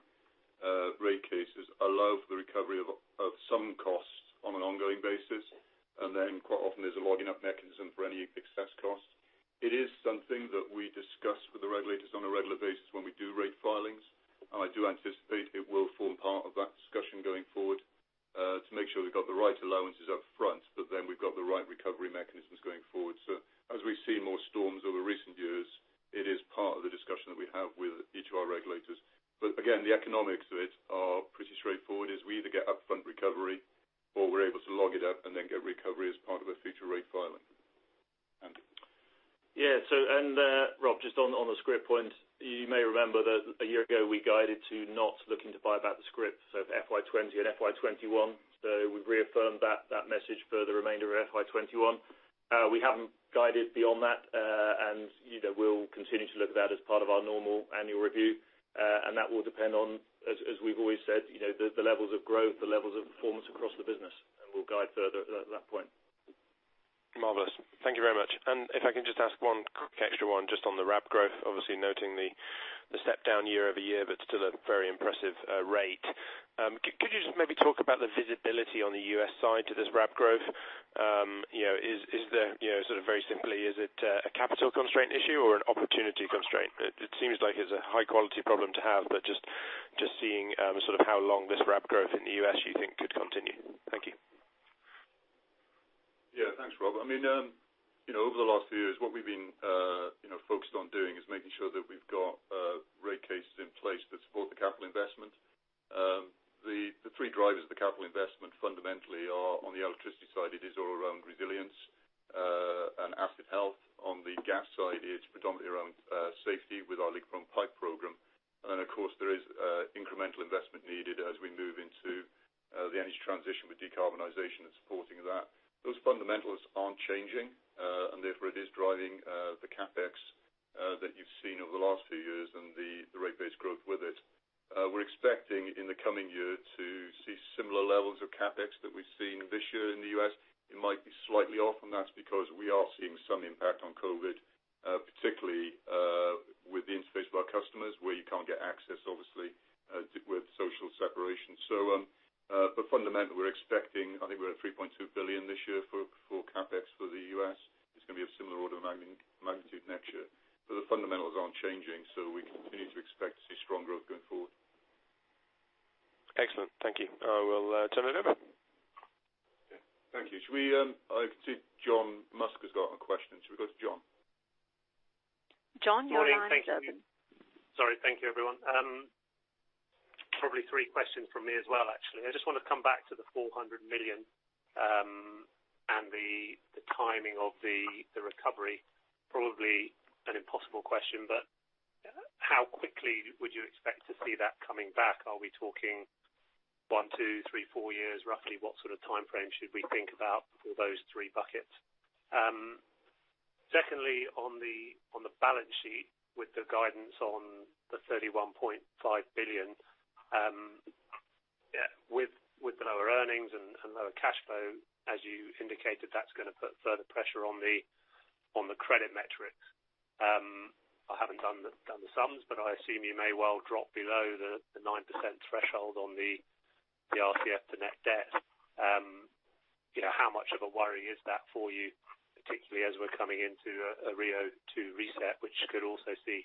rate cases allow for the recovery of some costs on an ongoing basis. And then quite often, there's a logging up mechanism for any excess cost. It is something that we discuss with the regulators on a regular basis when we do rate filings. And I do anticipate it will form part of that discussion going forward to make sure we've got the right allowances upfront, but then we've got the right recovery mechanisms going forward. So as we've seen more storms over recent years, it is part of the discussion that we have with each of our regulators. But again, the economics of it are pretty straightforward. We either get upfront recovery, or we're able to log it up and then get recovery as part of a future rate filing. Yeah. And Rob, just on the script point, you may remember that a year ago, we guided to not looking to buy back the script, so for FY 2020 and FY 2021. So we've reaffirmed that message for the remainder of FY 2021. We haven't guided beyond that, and we'll continue to look at that as part of our normal annual review. And that will depend on, as we've always said, the levels of growth, the levels of performance across the business. And we'll guide further at that point. Marvelous. Thank you very much. And if I can just ask one quick extra one just on the RAP growth, obviously noting the step-down year over year, but still a very impressive rate. Could you just maybe talk about the visibility on the U.S. side to this RAP growth? Is there sort of very simply, is it a capital constraint issue or an opportunity constraint? It seems like it's a high-quality problem to have, but just seeing sort of how long this RAP growth in the U.S. you think could continue. Thank you. Yeah. Thanks, Rob. I mean, over the last few years, what we've been focused on doing is making sure that we've got rate cases in place that support the capital investment. The three drivers of the capital investment fundamentally are on the electricity side, it is all around resilience and asset health. On the gas side, it's predominantly around safety with our leak-prone pipe program. And then, of course, there is incremental investment needed as we move into the energy transition with decarbonisation and supporting that. Those fundamentals aren't changing, and therefore it is driving the CapEx that you've seen over the last few years and the rate-based growth with it. We're expecting in the coming year to see similar levels of CapEx that we've seen this year in the U.S. It might be slightly off, and that's because we are seeing some impact on COVID, particularly with the interface of our customers where you can't get access, obviously, with social separation. But fundamentally, we're expecting I think we're at 3.2 billion this year for CapEx for the U.S. It's going to be of similar order of magnitude next year. But the fundamentals aren't changing, so we continue to expect to see strong growth going forward. Excellent. Thank you. I will turn it over. Okay. Thank you. I can see John Musk has got a question. Should we go to John? John, you're next. Good morning. Thank you. Sorry. Thank you, everyone. Probably three questions from me as well, actually. I just want to come back to the 400 million and the timing of the recovery. Probably an impossible question, but how quickly would you expect to see that coming back? Are we talking one, two, three, four years, roughly? What sort of time frame should we think about for those three buckets? Secondly, on the balance sheet with the guidance on the 31.5 billion, with the lower earnings and lower cash flow, as you indicated, that's going to put further pressure on the credit metrics. I haven't done the sums, but I assume you may well drop below the 9% threshold on the RCF to net debt. How much of a worry is that for you, particularly as we're coming into a RIIO-2 reset, which could also see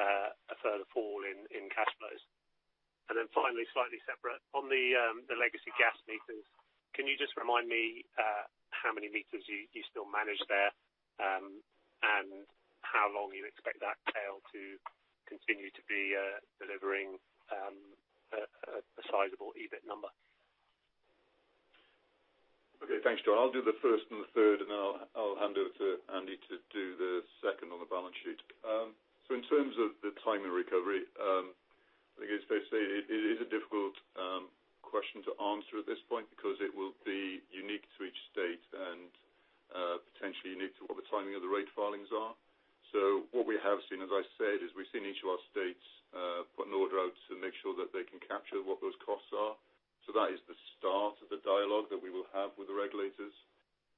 a further fall in cash flows? And then finally, slightly separate, on the legacy gas meters, can you just remind me how many meters you still manage there and how long you expect that tail to continue to be delivering a sizable EBIT number? Okay. Thanks, John. I'll do the first and the third, and then I'll hand over to Andy to do the second on the balance sheet. So in terms of the timing recovery, I think it's basically a difficult question to answer at this point because it will be unique to each state and potentially unique to what the timing of the rate filings are. So what we have seen, as I said, is we've seen each of our states put an order out to make sure that they can capture what those costs are. So that is the start of the dialogue that we will have with the regulators.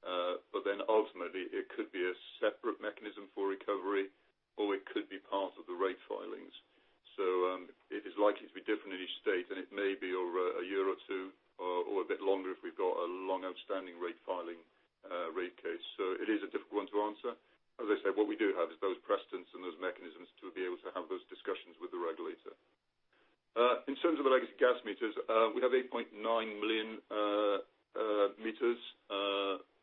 But then ultimately, it could be a separate mechanism for recovery, or it could be part of the rate filings. So it is likely to be different in each state, and it may be over a year or two or a bit longer if we've got a long outstanding rate filing rate case. So it is a difficult one to answer. As I said, what we do have is those precedents and those mechanisms to be able to have those discussions with the regulator. In terms of the legacy gas meters, we have 8.9 million meters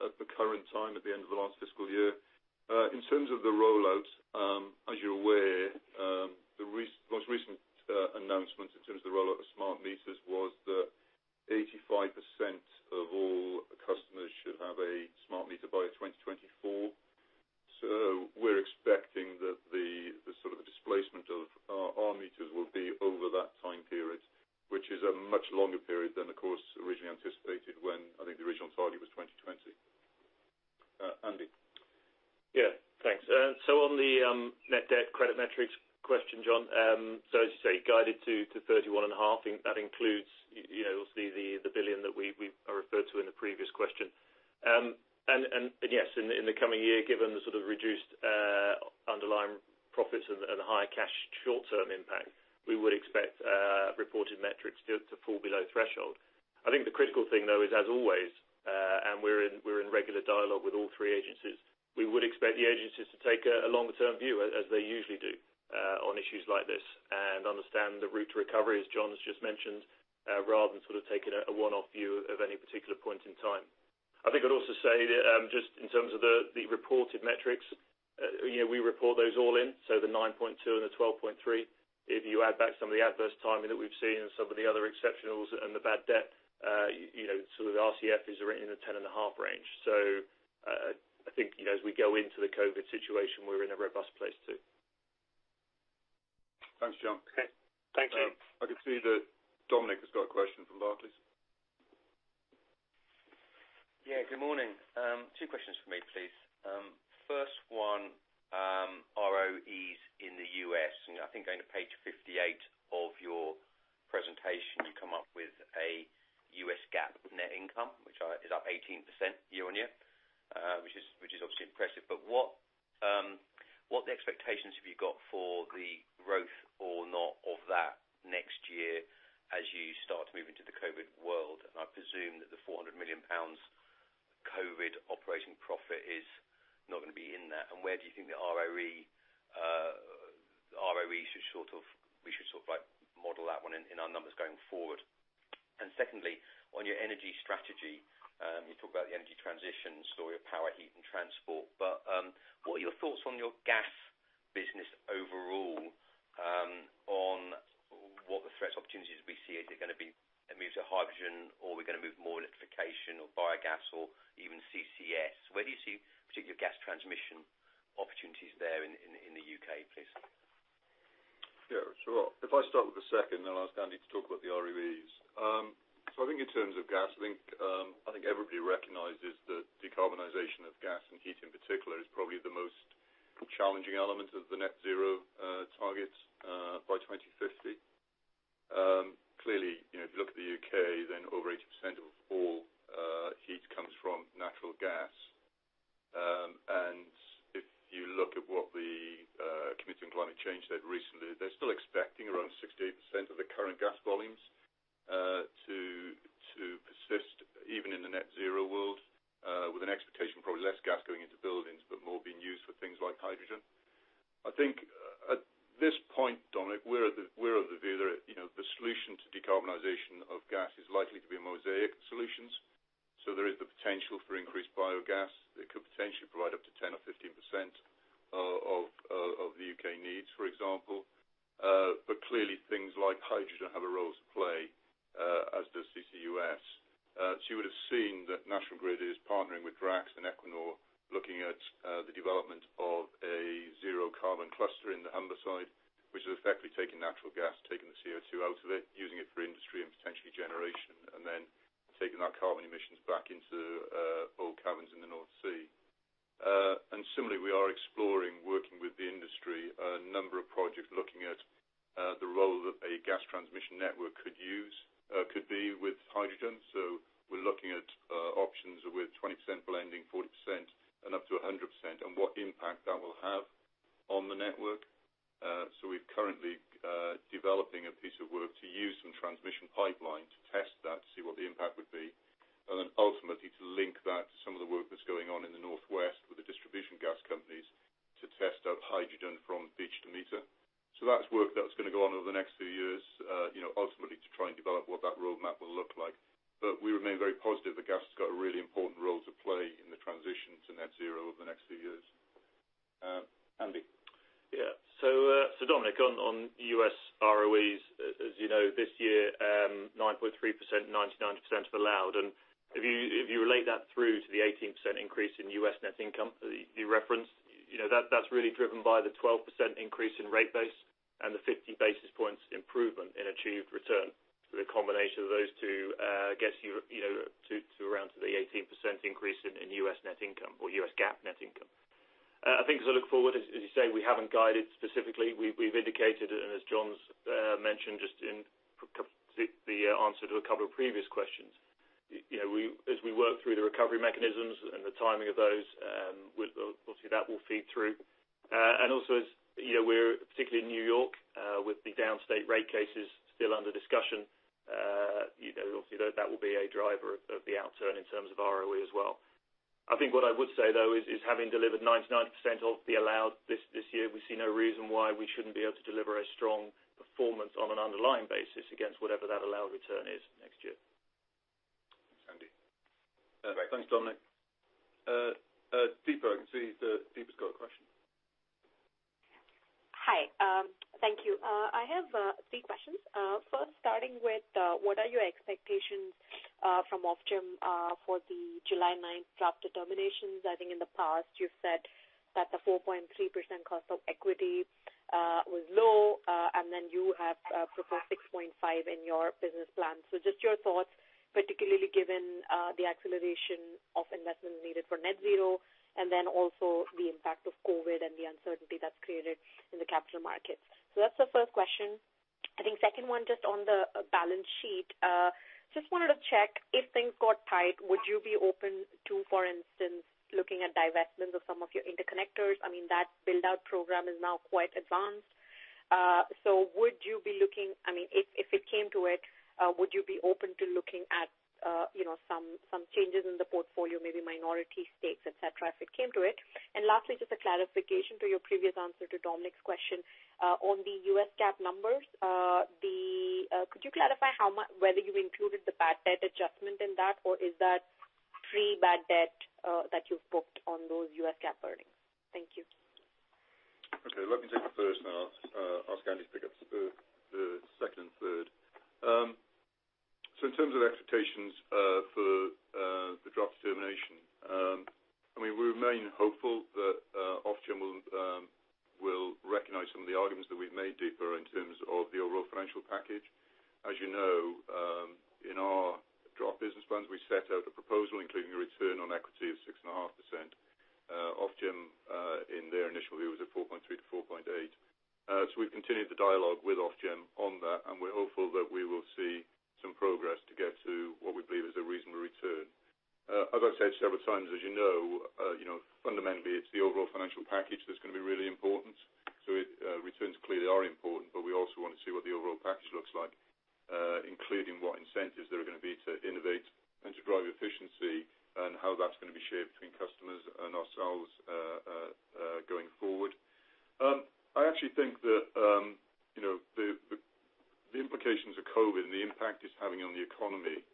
at the current time at the end of the last fiscal year. In terms of the rollout, as you're aware, the most recent announcement in terms of the rollout of smart meters was that 85% of all customers should have a smart meter by 2024. So we're expecting that the sort of displacement of our meters will be over that time period, which is a much longer period than, of course, originally anticipated when I think the original target was 2020. Andy? Yeah. Thanks. So on the net debt credit metrics question, John, so as you say, guided to 31 and a half, that includes obviously the billion that we referred to in the previous question. And yes, in the coming year, given the sort of reduced underlying profits and the higher cash short-term impact, we would expect reported metrics to fall below threshold. I think the critical thing, though, is as always, and we're in regular dialogue with all three agencies, we would expect the agencies to take a longer-term view, as they usually do, on issues like this and understand the route to recovery, as John has just mentioned, rather than sort of taking a one-off view of any particular point in time. I think I'd also say that just in terms of the reported metrics, we report those all in, so the 9.2 and the 12.3. If you add back some of the adverse timing that we've seen and some of the other exceptionals and the bad debt, sort of the RCF is already in the 10 and a half range. So I think as we go into the COVID situation, we're in a robust place too. Thanks, John. Okay. Thank you. I can see that Dominic has got a question from Barclays. Yeah. Good morning. Two questions for if you look at what the Committee on Climate Change said recently, they're still expecting around 68% of the current gas volumes to persist even in the net zero world, with an expectation of probably less gas going into buildings but more being used for things like hydrogen. I think at this point, Dominic, we're of the view that the solution to decarbonization of gas is likely to be mosaic solutions. So there is the potential for increased biogas that could potentially provide up to 10 or 15% of the U.K. needs, for example. But clearly, things like hydrogen have a role to play, as does CCUS. So you would have seen that National Grid is partnering with Drax and Equinor looking at the development of a zero-carbon cluster in the Humber side, which is effectively taking natural gas, taking the CO2 out of it, using it for industry and potentially generation, and then taking that carbon emissions back into old caverns in the North Sea. And similarly, we are exploring, working with the industry, a number of projects looking at the role that a gas transmission network could be with hydrogen. So we're looking at options with 20% blending, 40%, and up to 100%, and what impact that will have on the network. So we're currently developing a piece of work to use some transmission pipeline to test that, to see what the impact would be. And then ultimately, to link that to some of the work that's going on in the Northwest with the distribution gas companies to test out hydrogen from beach to meter. So that's work that's going to go on over the next few years, ultimately to try and develop what that roadmap will look like. But we remain very positive that gas has got a really important role to play in the transition to net zero over the next few years. Andy? Yeah. So Dominic, on U.S. ROEs, as you know, this year, 9.3% and 99% have allowed. And if you relate that through to the 18% increase in U.S. net income that you referenced, that's really driven by the 12% increase in rate base and the 50 basis points improvement in achieved return. The combination of those two gets you to around the 18% increase in U.S. net income or U.S. GAAP net income. I think as I look forward, as you say, we haven't guided specifically. We've indicated, and as John's mentioned just in the answer to a couple of previous questions, as we work through the recovery mechanisms and the timing of those, obviously that will feed through. And also as we're particularly in New York with the downstate rate cases still under discussion, obviously that will be a driver of the outturn in terms of ROE as well. I think what I would say, though, is having delivered 99% of the allowed this year, we see no reason why we shouldn't be able to deliver a strong performance on an underlying basis against whatever that allowed return is next year. Thanks, Andy. Thanks, Dominic. Deeper, I can see that Deeper's got a question. Hi. Thank you. I have three questions. First, starting with what are your expectations from Ofgem for the July 9th draft determinations? I think in the past, you've said that the 4.3% cost of equity was low, and then you have proposed 6.5% in your business plan. So just your thoughts, particularly given the acceleration of investment needed for net zero and then also the impact of COVID and the uncertainty that's created in the capital markets. So that's the first question. I think second one, just on the balance sheet, just wanted to check if things got tight, would you be open to, for instance, looking at divestments of some of your interconnectors? I mean, that build-out program is now quite advanced. So would you be looking I mean, if it came to it, would you be open to looking at some changes in the portfolio, maybe minority stakes, etc., if it came to it? And lastly, just a clarification to your previous answer to Dominic's question on the U.S. GAAP numbers, could you clarify whether you included the bad debt adjustment in that, or is that pre-bad debt that you've booked on those U.S. GAAP earnings? Thank you. Okay. Let me take the first and ask Andy to pick up the second and third. So in terms of expectations for the draft determination, I mean, we remain hopeful that Ofgem will recognize some of the arguments that we've made deeper in terms of the overall financial package. As you know, in our draft business plans, we set out a proposal including a return on equity of 6.5%. Ofgem, in their initial view, was at 4.3% to 4.8%. So we've continued the dialogue with Ofgem on that, and we're hopeful that we will see some progress to get to what we believe is a reasonable return. As I've said several times, as you know, fundamentally, it's the overall financial package that's going to be really important. So returns clearly are important, but we also want to see what the overall package looks like, including what incentives there are going to be to innovate and to drive efficiency and how that's going to be shared between customers and ourselves going forward. I actually think that the implications of COVID and the impact it's having on the economy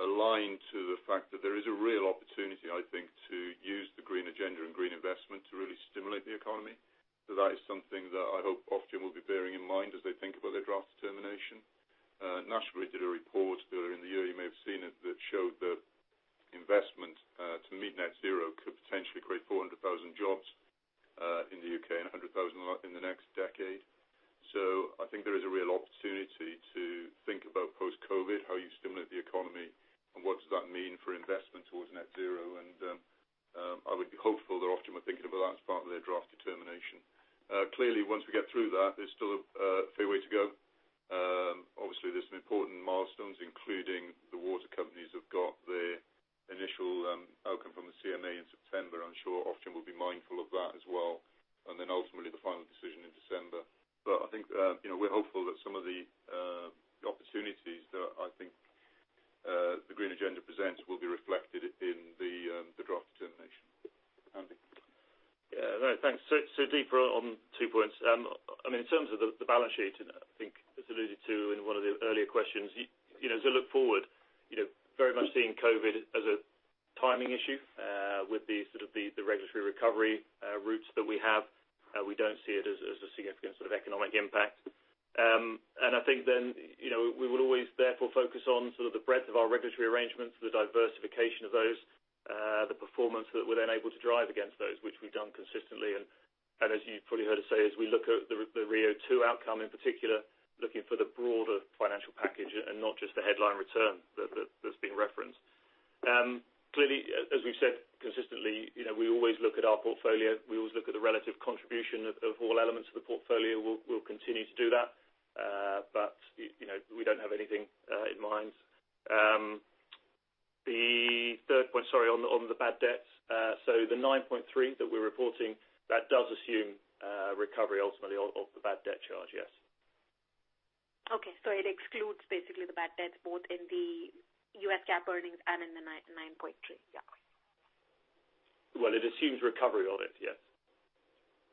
align to the fact that there is a real opportunity, I think, to use the green agenda and green investment to really stimulate the economy. So that is something that I hope Ofgem will be bearing in mind as they think about their draft determination. Nashville did a report earlier in the year; you may have seen it that showed that investment to meet net zero could potentially create 400,000 jobs in the U.K. and 100,000 in the next decade. So I think there is a real opportunity to think about post-COVID, how you stimulate the economy, and what does that mean for investment towards net zero. And I would be hopeful that Ofgem are thinking about that as part of their draft determination. Clearly, once we get through that, there's still a fair way to go. Obviously, there's some important milestones, including the water companies have got their initial outcome from the CMA in September. I'm sure Ofgem will be mindful of that as well. And then ultimately, the final decision in December. But I think we're hopeful that some of the opportunities that I think the green agenda presents will be reflected in the draft determination. Andy? Yeah. No, thanks. So Deeper on two points. I mean, in terms of the balance sheet, I think as alluded to in one of the earlier questions, as I look forward, very much seeing COVID as a timing issue with the sort of the regulatory recovery routes that we have. We don't see it as a significant sort of economic impact. And I think then we will always therefore focus on sort of the breadth of our regulatory arrangements, the diversification of those, the performance that we're then able to drive against those, which we've done consistently. And as you've probably heard us say, as we look at the RIIO-2 outcome in particular, looking for the broader financial package and not just the headline return that's being referenced. Clearly, as we've said consistently, we always look at our portfolio. We always look at the relative contribution of all elements of the portfolio. We'll continue to do that, but we don't have anything in mind. The third point, sorry, on the bad debt. So the 9.3% that we're reporting, that does assume recovery ultimately of the bad debt charge, yes. Okay. So it excludes basically the bad debts both in the U.S. GAAP earnings and in the 9.3%? Yeah. Well, it assumes recovery of it, yes.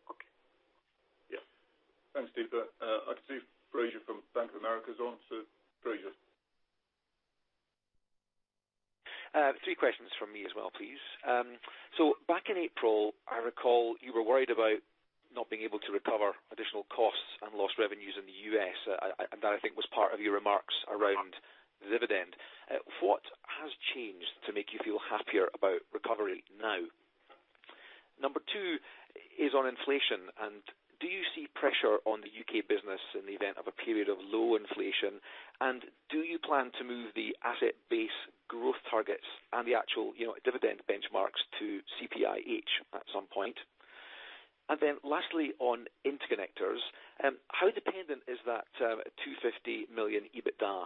Okay. Yeah. Thanks, Deeper. I can see Fraser from Bank of America's on. So Fraser. Three questions from me as well, please. Back in April, I recall you were worried about not being able to recover additional costs and lost revenues in the U.S., and that I think was part of your remarks around the dividend. What has changed to make you feel happier about recovery now? Number two is on inflation. And do you see pressure on the U.K. business in the event of a period of low inflation? And do you plan to move the asset-based growth targets and the actual dividend benchmarks to CPIH at some point? And then lastly, on interconnectors, how dependent is that 250 million EBITDA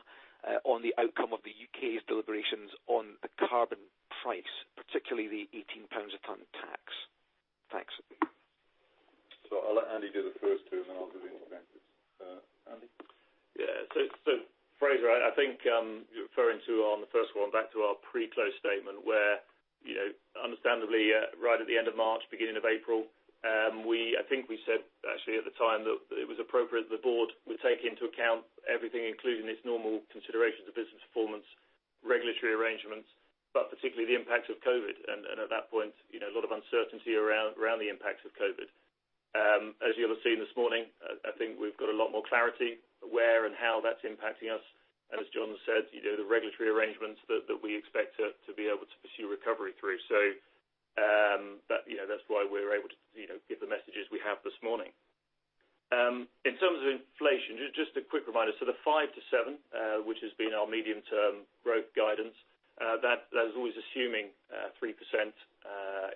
on the outcome of the U.K.'s deliberations on the carbon price, particularly the 18 pounds a tonne tax? Thanks. Yeah. So Fraser, I think you're referring to on the first one back to our pre-close statement where, understandably, right at the end of March, beginning of April, I think we said actually at the time that it was appropriate that the board would take into account everything, including its normal considerations of business performance, regulatory arrangements, but particularly the impacts of COVID. And at that point, a lot of uncertainty around the impacts of COVID. As you'll have seen this morning, I think we've got a lot more clarity where and how that's impacting us, and as John said, the regulatory arrangements that we expect to be able to pursue recovery through. So that's why we're able to give the messages we have this morning. In terms of inflation, just a quick reminder, so the 5 to 7, which has been our medium-term growth guidance, that is always assuming 3%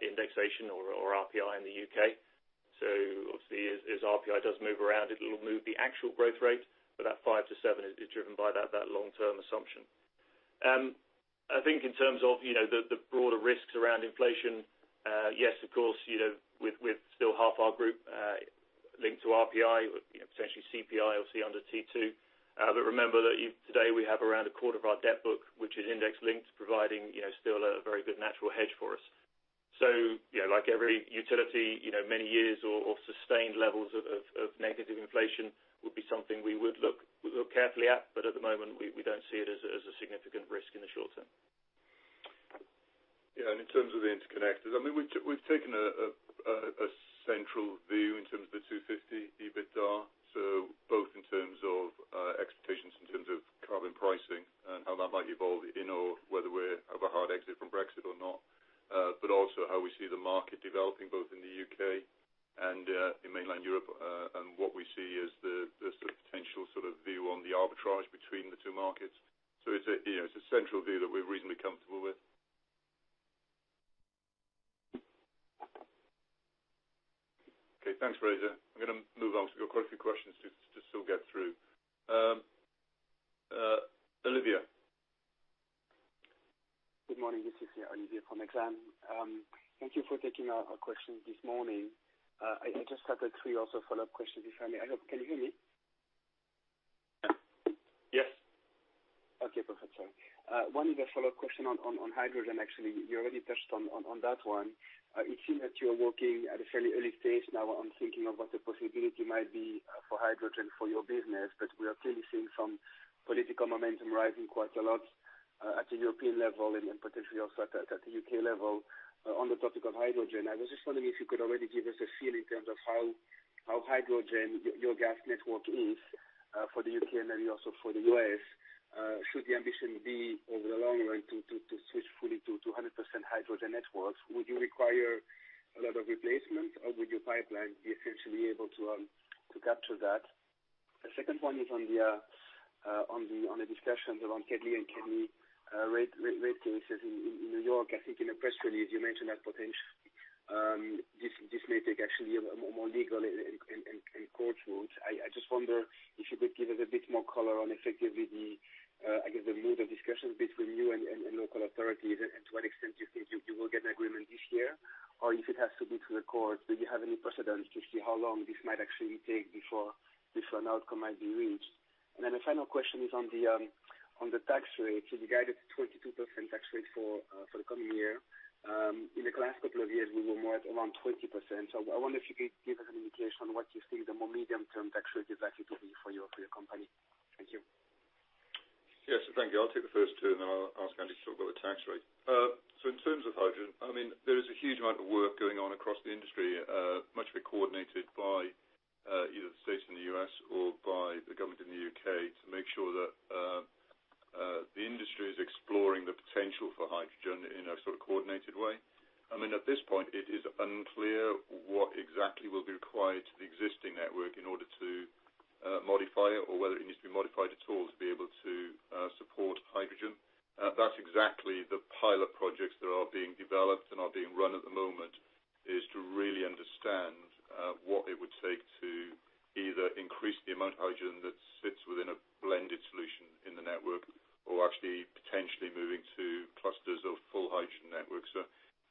indexation or RPI in the U.K. So obviously, as RPI does move around, it will move the actual growth rate, but that 5 to 7 is driven by that long-term assumption. I think in terms of the broader risks around inflation, yes, of course, with still half our group linked to RPI, potentially CPI, obviously under T2. But remember that today we have around a quarter of our debt book, which is index-linked, providing still a very good natural hedge for us. So like every utility, many years of sustained levels of negative inflation would be something we would look carefully at, but at the moment, we don't see it as a significant risk in the short term. Yeah and in terms of the interconnectors, I mean, we've taken a central view in terms of the 250 EBITDA, so both in terms of expectations in terms of carbon pricing and how that might evolve in or whether we have a hard exit from Brexit or not, but also how we see the market developing both in the U.K. and in mainland Europe and what we see as the sort of potential sort of view on the arbitrage between the two markets. So it's a central view that we're reasonably comfortable with. Okay. Thanks, Fraser. I'm going to move on because we've got quite a few questions to still get through. Olivier? Good morning. This is Olivier from Exam. Thank you for taking our questions this morning. I just have three also follow-up questions, if I may. Can you hear me? Yes. Okay. Perfect. Sorry. One is a follow-up question on hydrogen, actually. You already touched on that one. It seems that you're working at a fairly early stage now on thinking of what the possibility might be for hydrogen for your business, but we are clearly seeing some political momentum rising quite a lot at the European level and potentially also at the U.K. level on the topic of hydrogen. I was just wondering if you could already give us a feel in terms of how hydrogen, your gas network is for the U.K. and maybe also for the U.S., should the ambition be over the long run to switch fully to 100% hydrogen networks. Would you require a lot of replacement, or would your pipeline be essentially able to capture that? The second one is on the discussions around Kedley and Kedney rate cases in New York. I think in the press release, you mentioned that potentially this may take actually a more legal and court route. I just wonder if you could give us a bit more color on effectively the, I guess, the mood of discussions between you and local authorities and to what extent you think you will get an agreement this year or if it has to be through the courts. Do you have any precedence to see how long this might actually take before an outcome might be reached? And then the final question is on the tax rate. So you guided to 22% tax rate for the coming year. In the last couple of years, we were more at around 20%. So I wonder if you could give us an indication on what you think the more medium-term tax rate is likely to be for your company. Thank you. Yes. Thank you. I'll take the first two, and then I'll ask Andy to talk about the tax rate. So in terms of hydrogen, I mean, there is a huge amount of work going on across the industry, much of it coordinated by either the states in the U.S. or by the government in the U.K. to make sure that the industry is exploring the potential for hydrogen in a sort of coordinated way. I mean, at this point, it is unclear what exactly will be required to the existing network in order to modify it or whether it needs to be modified at all to be able to support hydrogen. That's exactly the pilot projects that are being developed and are being run at the moment is to really understand what it would take to either increase the amount of hydrogen that sits within a blended solution in the network or actually potentially moving to clusters of full hydrogen networks. So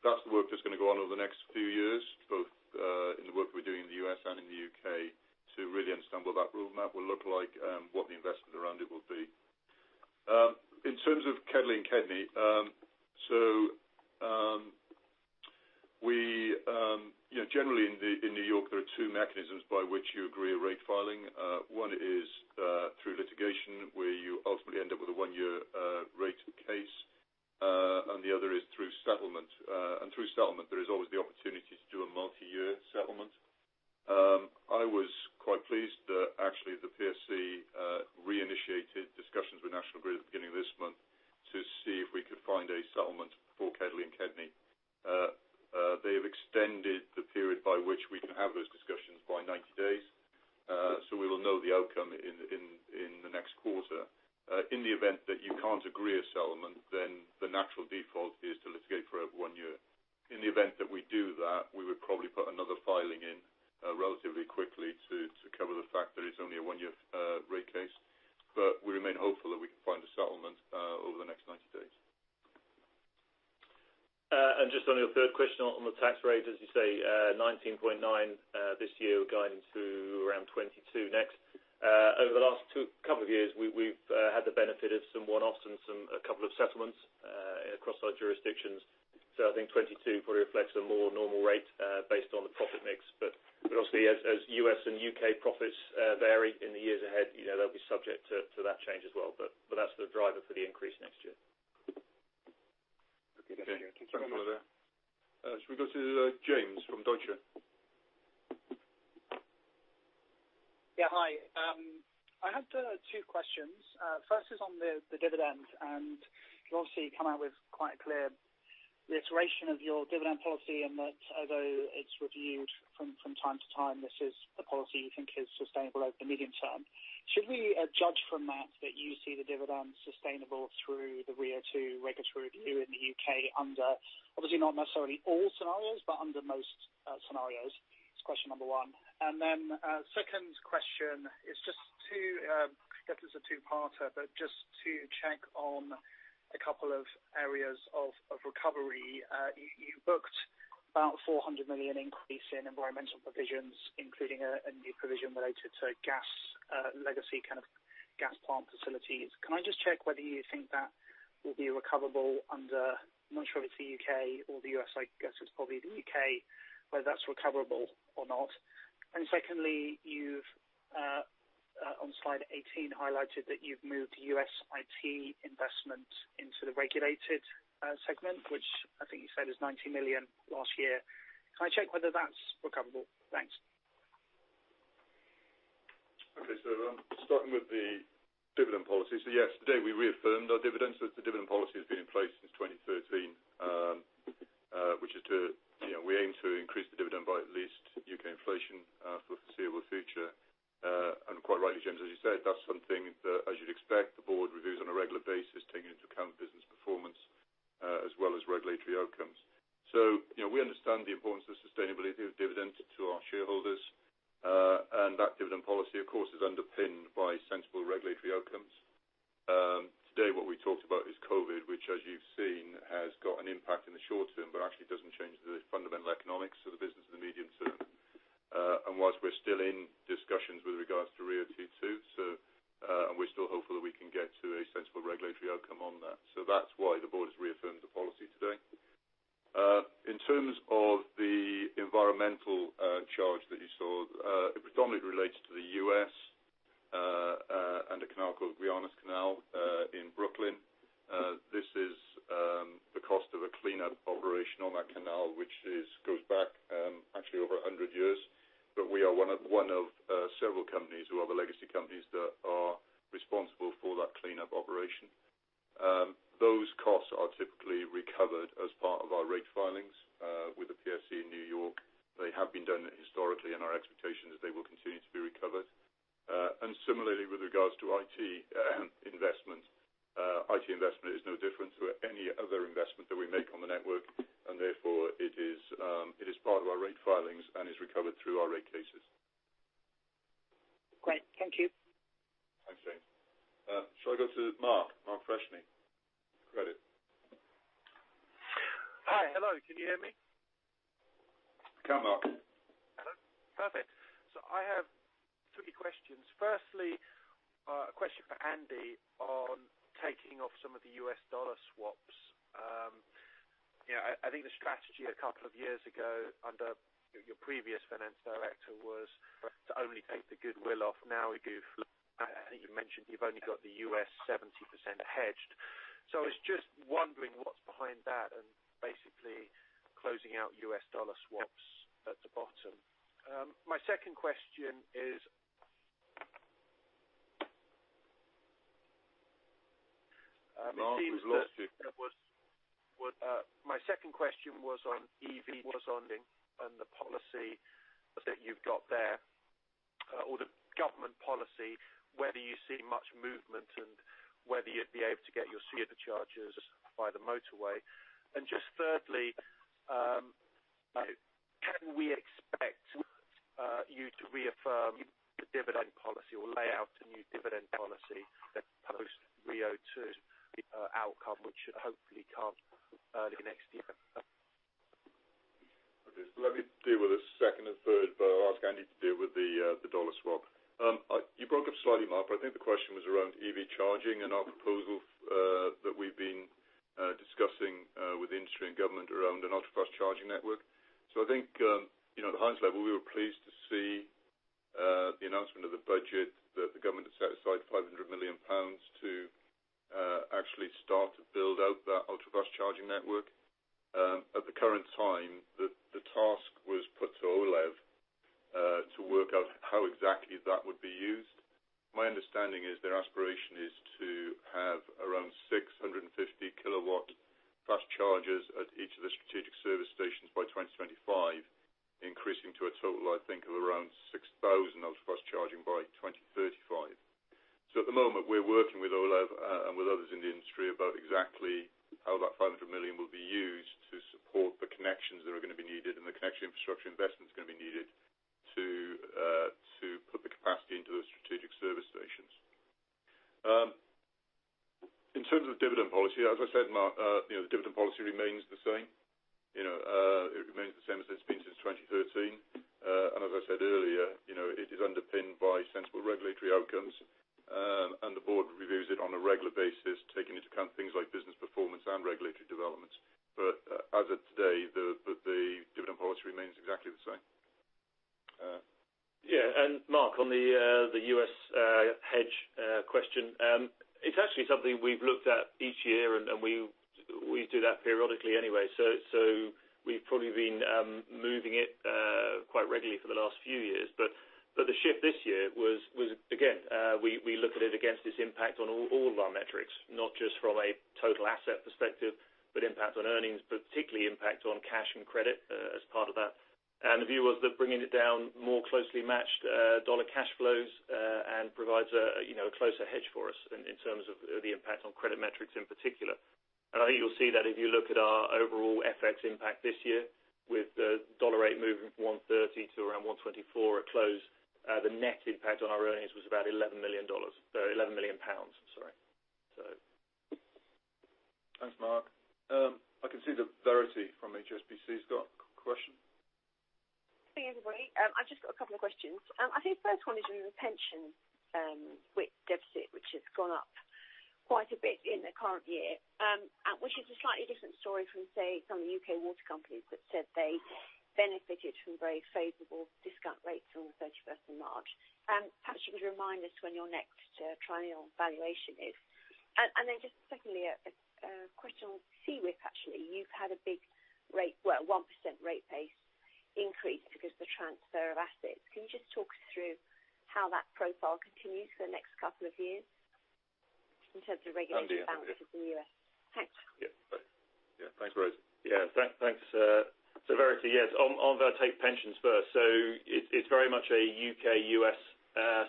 that's the work that's going to go on over the next few years, both in the work we're doing in the U.S. and in the U.K., to really understand what that roadmap will look like and what the investment around it will be. In terms of Kedli and Kedmi, so generally in New York, there are two mechanisms by which you agree a rate filing. One is through litigation, where you ultimately end up with a one-year rate case, and the other is through settlement. And through settlement, there is always the opportunity to do a multi-year settlement. I was quite pleased that actually the PSC reinitiated discussions with National Grid at the beginning of this month to see if we could find a settlement for Kedli and Kedmi. They have extended the period by which we can have those discussions by 90 days, so we will know the outcome in the next quarter. In the event that you can't agree a settlement, then the natural default is to litigate for one year. In the event that we do that, we would probably put another filing in relatively quickly to cover the fact that it's only a one-year rate case, but we remain hopeful that we can find a settlement over the next 90 days. And just on your third question on the tax rate, as you say, 19.9% this year will go into around 22% next. Over the last couple of years, we've had the benefit of some one-offs and a couple of settlements across our jurisdictions. So I think 22% probably reflects a more normal rate based on the profit mix. But obviously, as U.S. and U.K. profits vary in the years ahead, they'll be subject to that change as well. But that's the driver for the increase next year. Okay. Thank you. Thanks very much. Should we go to James from Deutsche? Yeah. Hi. I have two questions. First is on the dividend, and you obviously come out with quite a clear reiteration of your dividend policy and that although it's reviewed from time to time, this is the policy you think is sustainable over the medium term. Should we judge from that that you see the dividend sustainable through the RIIO-2 regulatory review in the U.K. under, obviously, not necessarily all scenarios, but under most scenarios? That's question number one. And then second question is just to get this a two-parter, but just to check on a couple of areas of recovery. You booked about a 400 million increase in environmental provisions, including a new provision related to gas legacy kind of gas plant facilities. Can I just check whether you think that will be recoverable under—I'm not sure if it's the U.K. or the U.S.; I guess it's probably the U.K.—whether that's recoverable or not? And secondly, you've, on slide 18, highlighted that you've moved U.S. IT investment into the regulated segment, which I think you said is 90 million last year. Can I check whether that's recoverable? Thanks. Okay. So starting with the dividend policy, so yes, today we reaffirmed our dividend. So the dividend policy has been in place since 2013, which is to—we aim to increase the dividend by at least U.K. inflation for the foreseeable future. And quite rightly, James, as you said, that's something that, as you'd expect, the board reviews on a regular basis, taking into account business performance as well as regulatory outcomes. So we understand the importance of sustainability of dividends to our shareholders, and that dividend policy, of course, is underpinned by sensible regulatory outcomes. Today, what we talked about is COVID, which, as you've seen, has got an impact in the short term but actually doesn't change the fundamental economics of the business in the medium term. And whilst we're still in discussions with regards to RIIO-2.2, so—and we're still hopeful that we can get to a sensible regulatory outcome on that. So that's why the board has reaffirmed the policy today. In terms of the environmental charge that you saw, it predominantly relates to the U.S. and the Canal Cordiglionis Canal in Brooklyn. This is the cost of a cleanup operation on that canal, which goes back actually over 100 years, but we are one of several companies who are the legacy companies that are responsible for that cleanup operation. Those costs are typically recovered as part of our rate filings with the PSC in New York. They have been done historically, and our expectation is they will continue to be recovered. And similarly, with regards to IT investment, IT investment is no different to any other investment that we make on the network, and therefore, it is part of our rate filings and is recovered through our rate cases. Great. Thank you. Thanks, James. Shall I go to Mark? Mark Freshney? Credit. Hi. Hello. Can you hear me? I can, Mark. Perfect. So I have three questions. Firstly, a question for Andy on taking off some of the U.S. dollar swaps. I think the strategy a couple of years ago under your previous finance director was to only take the goodwill off. Now, I think you mentioned you've only got the U.S. 70% hedged. So I was just wondering what's behind that and basically closing out U.S. dollar swaps at the bottom. My second question is— Mark was last year. My second question was on EVs and the policy that you've got there or the government policy, whether you see much movement and whether you'd be able to get your Cedar charges by the motorway. And just thirdly, can we expect you to reaffirm the dividend policy or lay out a new dividend policy post RIIO-2 outcome, which should hopefully come early next year? Okay. So let me deal with the second and third, but I'll ask Andy to deal with the dollar swap. You broke up slightly, Mark, but I think the question was around EV charging and our proposal that we've been discussing with industry and government around an ultra-fast charging network. So I think at the highest level, we were pleased to see the announcement of the budget that the government had set aside 500 million pounds to actually start to build out that ultra-fast charging network. At the current time, the task was put to OLEV to work out how exactly that would be used. My understanding is their aspiration is to have around 650 kW fast chargers at each of the strategic service stations by 2025, increasing to a total, I think, of around 6,000 ultra-fast charging by 2035. So at the moment, we're working with OLEV and with others in the industry about exactly how that 500 million will be used to support the connections that are going to be needed and the connection infrastructure investment is going to be needed to put the capacity into those strategic service stations. In terms of the dividend policy, as I said, Mark, the dividend policy remains the same. It remains the same as it's been since 2013. And as I said earlier, it is underpinned by sensible regulatory outcomes, and the board reviews it on a regular basis, taking into account things like business performance and regulatory developments. But as of today, the dividend policy remains exactly the same. Yeah. And Mark, on the U.S. hedge question, it's actually something we've looked at each year, and we do that periodically anyway. So we've probably been moving it quite regularly for the last few years. But the shift this year was, again, we look at it against its impact on all of our metrics, not just from a total asset perspective, but impact on earnings, but particularly impact on cash and credit as part of that. And the view was that bringing it down more closely matched dollar cash flows provides a closer hedge for us in terms of the impact on credit metrics in particular. And I think you'll see that if you look at our overall FX impact this year with the dollar rate moving from 130 to around 124 at close, the net impact on our earnings was about $11 million sorry 11 million pounds. So. Thanks, Mark. I can see the Verity from HSBC got question. Good evening, everybody. I've just got a couple of questions. I think the first one is your retention debt deficit, which has gone up quite a bit in the current year, which is a slightly different story from, say, some of the U.K. water companies that said they benefited from very favorable discount rates on the 31st of March. Perhaps you could remind us when your next triennial valuation is. And then just secondly, a question on CWIP, actually. You've had a big rate, well, 1% rate base increase because of the transfer of assets. Can you just talk us through how that profile continues for the next couple of years in terms of regulatory boundaries in the U.S.? Thanks. Yeah. Thanks, Rose. Yeah. Thanks. So Verity, yes. I'll take pensions first. So it's very much a U.K.-U.S.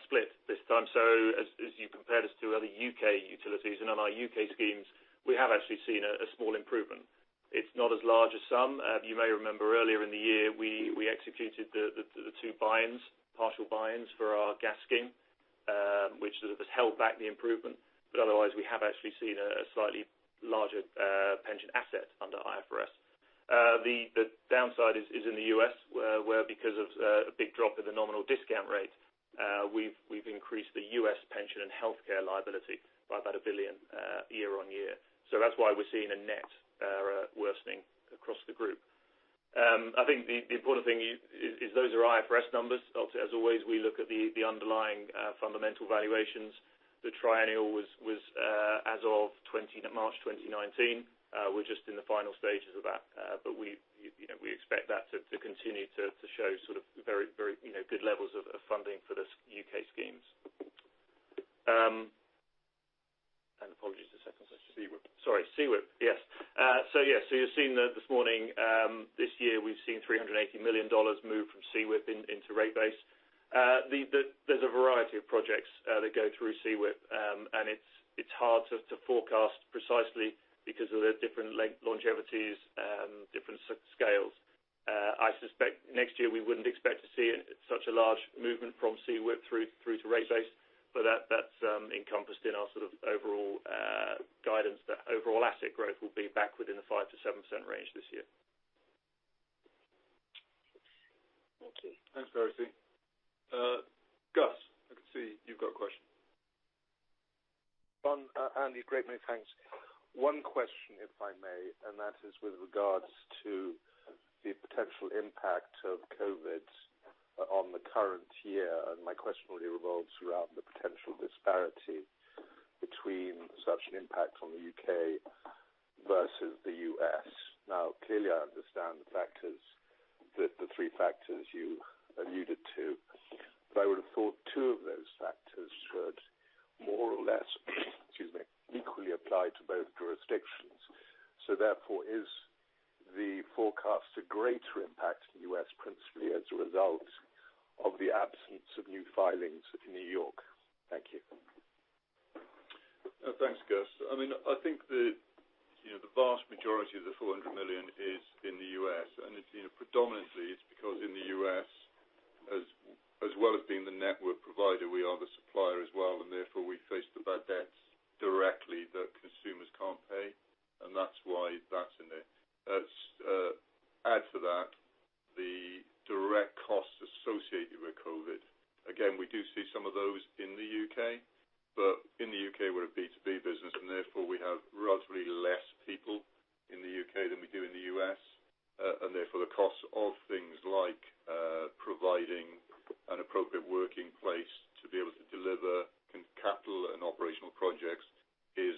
split this time. So as you compared us to other U.K. utilities and other U.K. schemes, we have actually seen a small improvement. It's not as large as some. You may remember earlier in the year, we executed the two buy-ins, partial buy-ins for our gas scheme, which has held back the improvement. But otherwise, we have actually seen a slightly larger pension asset under IFRS. The downside is in the U.S. where, because of a big drop in the nominal discount rate, we've increased the U.S. pension and healthcare liability by about a billion year on year. So that's why we're seeing a net worsening across the group. I think the important thing is those are IFRS numbers. As always, we look at the underlying fundamental valuations. The triennial was as of March 2019. We're just in the final stages of that, but we expect that to continue to show sort of very good levels of funding for the U.K. schemes. And apologies for the second question. CWIP. Sorry. CWIP. Yes. So yeah, so you've seen this morning, this year, we've seen $380 million move from CWIP into rate base. There's a variety of projects that go through CWIP, and it's hard to forecast precisely because of the different longevities, different scales. I suspect next year we wouldn't expect to see such a large movement from CWIP through to rate base, but that's encompassed in our sort of overall guidance that overall asset growth will be back within the 5% to 7% range this year. Thank you. Thanks, Verity. Gus, I can see you've got a question. John, Andy, great many thanks. One question, if I may, and that is with regards to the potential impact of COVID on the current year. And my question really revolves around the potential disparity between such an impact on the U.K. versus the U.S. Now, clearly, I understand the factors, the three factors you alluded to, but I would have thought two of those factors should more or less, excuse me, equally apply to both jurisdictions. So therefore, is the forecast a greater impact in the U.S. principally as a result of the absence of new filings in New York? Thank you. Thanks, Gus. I mean, I think the vast majority of the 400 million is in the U.S., and predominantly, it's because in the U.S., as well as being the network provider, we are the supplier as well, and therefore, we face the bad debts directly that consumers can't pay. And that's why that's in there. Add to that the direct costs associated with COVID. Again, we do see some of those in the U.K., but in the U.K., we're a B2B business, and therefore, we have relatively less people in the U.K. than we do in the U.S. And therefore, the costs of things like providing an appropriate working place to be able to deliver capital and operational projects has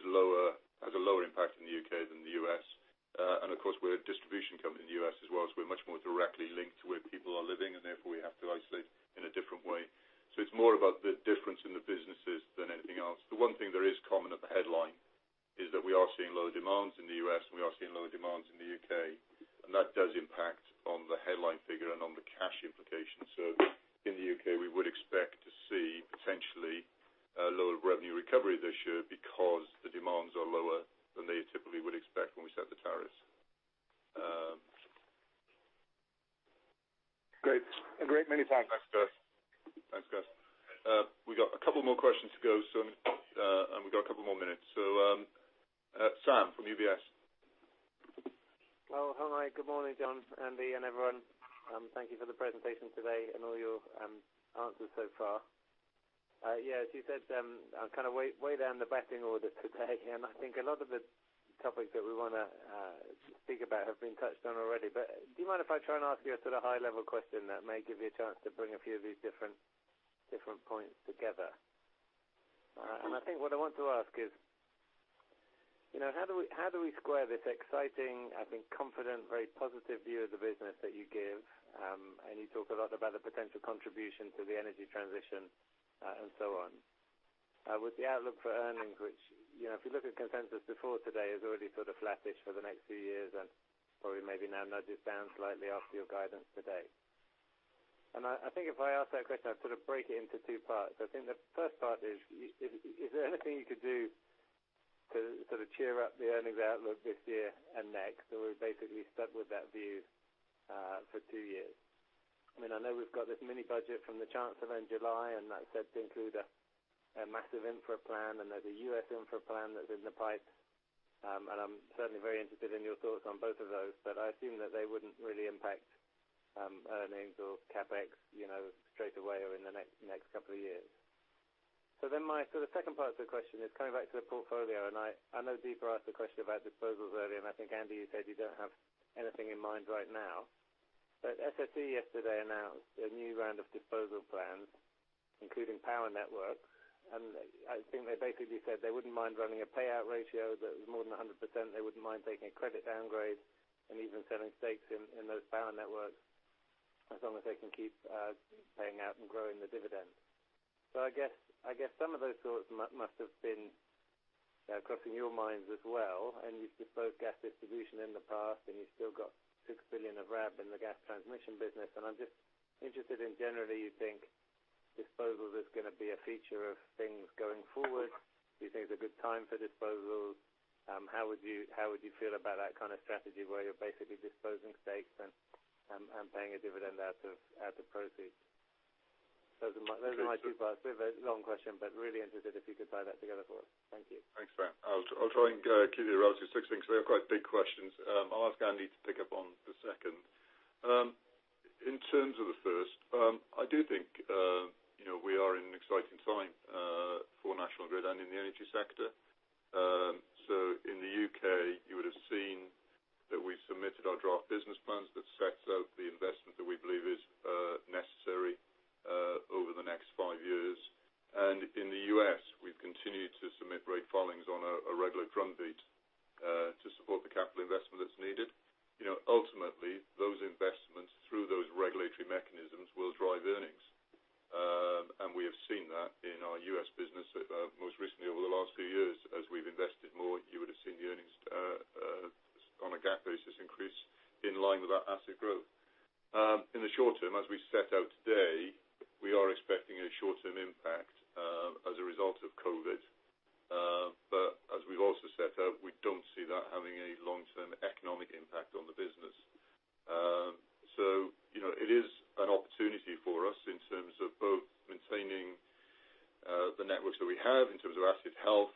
a lower impact in the U.K. than the U.S. And of course, we're a distribution company in the U.S. as well, so we're much more directly linked to where people are living, and therefore, we have to isolate in a different way. So it's more about the difference in the businesses than anything else. The one thing that is common at the headline is that we are seeing lower demands in the U.S., and we are seeing lower demands in the U.K., and that does impact on the headline figure and on the cash implications. So in the U.K., we would expect to see potentially a lower revenue recovery this year because the demands are lower than they typically would expect when we set the tariffs. Great. Great. Many thanks. Thanks, Gus. Thanks, Gus. We've got a couple more questions to go, and we've got a couple more minutes. So Sam from UBS. Hello. Hi. Good morning, to John, Andy, and everyone. Thank you for the presentation today and all your answers so far. Yeah. As you said, I'm kind of way down the betting order today, and I think a lot of the topics that we want to speak about have been touched on already. But do you mind if I try and ask you a sort of high-level question that may give you a chance to bring a few of these different points together? And I think what I want to ask is, how do we square this exciting, I think, confident, very positive view of the business that you give? And you talk a lot about the potential contribution to the energy transition and so on. With the outlook for earnings, which if you look at consensus before today, it's already sort of flattish for the next few years and probably maybe now nudges down slightly after your guidance today. And I think if I ask that question, I'd sort of break it into two parts. I think the first part is, is there anything you could do to sort of cheer up the earnings outlook this year and next, or are we basically stuck with that view for two years? I mean, I know we've got this mini budget from the Chancellor in July, and that's said to include a massive infra plan, and there's a U.S. infra plan that's in the pipe. And I'm certainly very interested in your thoughts on both of those, but I assume that they wouldn't really impact earnings or CapEx straight away or in the next couple of years. So then my sort of second part of the question is coming back to the portfolio, and I know Deeper asked a question about disposals earlier, and I think, Andy, you said you don't have anything in mind right now. But SSE yesterday announced a new round of disposal plans, including power networks, and I think they basically said they wouldn't mind running a payout ratio that was more than 100%. They wouldn't mind taking a credit downgrade and even selling stakes in those power networks as long as they can keep paying out and growing the dividend. So I guess some of those thoughts must have been crossing your minds as well. And you've disposed gas distribution in the past, and you've still got 6 billion of RAB in the gas transmission business. And I'm just interested in, generally, you think disposal is going to be a feature of things going forward. Do you think it's a good time for disposals? How would you feel about that kind of strategy where you're basically disposing stakes and paying a dividend out of proceeds? Those are my two parts. A bit of a long question, but really interested if you could tie that together for us. Thank you. Thanks for that. I'll try and keep you relative to six minutes. They are quite big questions. I'll ask Andy to pick up on the second. In terms of the first, I do think we are in an exciting time for national grid and in the energy sector. So in the U.K., you would have seen that we've submitted our draft business plans that sets out the investment that we believe is necessary over the next five years. And in the U.S., we've continued to submit rate filings on a regular drumbeat to support the capital investment that's needed. Ultimately, those investments through those regulatory mechanisms will drive earnings, and we have seen that in our U.S. business most recently over the last few years. As we've invested more, you would have seen the earnings on a gap basis increase in line with our asset growth. In the short term, as we set out today, we are expecting a short-term impact as a result of COVID. But as we've also set out, we don't see that having a long-term economic impact on the business. So it is an opportunity for us in terms of both maintaining the networks that we have in terms of asset health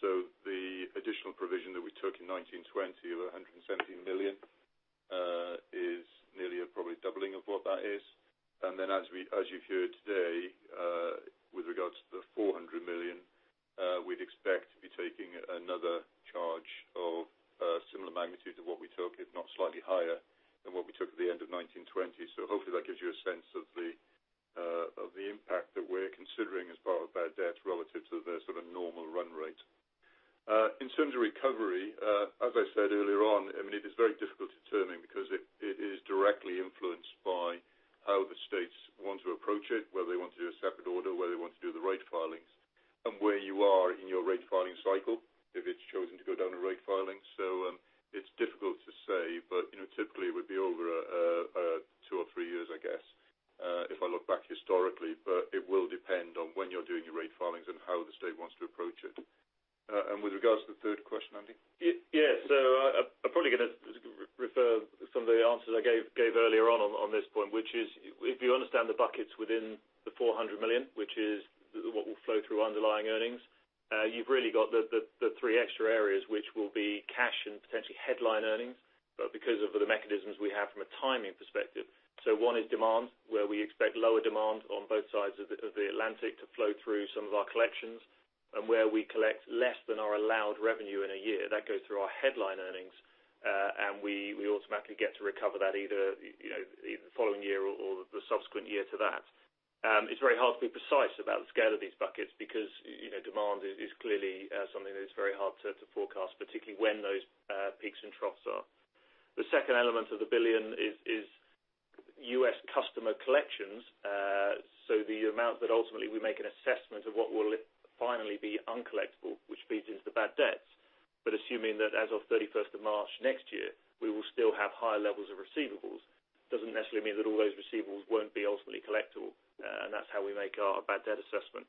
So the additional provision that we took in 2019-2020 of 170 million is nearly probably doubling of what that is. And then as you've heard today, with regards to the 400 million, we'd expect to be taking another charge of similar magnitude to what we took, if not slightly higher than what we took at the end of 2019-2020. So hopefully, that gives you a sense of the impact that we're considering as part of bad debt relative to the sort of normal run rate. In terms of recovery, as I said earlier on, I mean, it is very difficult determining because it is directly influenced by how the states want to approach it, whether they want to do a separate order, whether they want to do the rate filings, and where you are in your rate filing cycle if it's chosen to go down a rate filing. So it's difficult to say, but typically, it would be over two or three years, I guess, if I look back historically. But it will depend on when you're doing your rate filings and how the state wants to approach it. And with regards to the third question, Andy? Yeah. So I'm probably going to refer some of the answers I gave earlier on on this point, which is if you understand the buckets within the 400 million, which is what will flow through underlying earnings, you've really got the three extra areas, which will be cash and potentially headline earnings. But because of the mechanisms we have from a timing perspective, so one is demand, where we expect lower demand on both sides of the Atlantic to flow through some of our collections and where we collect less than our allowed revenue in a year. That goes through our headline earnings, and we automatically get to recover that either the following year or the subsequent year to that. It's very hard to be precise about the scale of these buckets because demand is clearly something that is very hard to forecast, particularly when those peaks and troughs are. The second element of the billion is U.S. customer collections. So the amount that ultimately we make an assessment of what will finally be uncollectible, which feeds into the bad debts. But assuming that as of 31st of March next year, we will still have higher levels of receivables, doesn't necessarily mean that all those receivables won't be ultimately collectible, and that's how we make our bad debt assessment.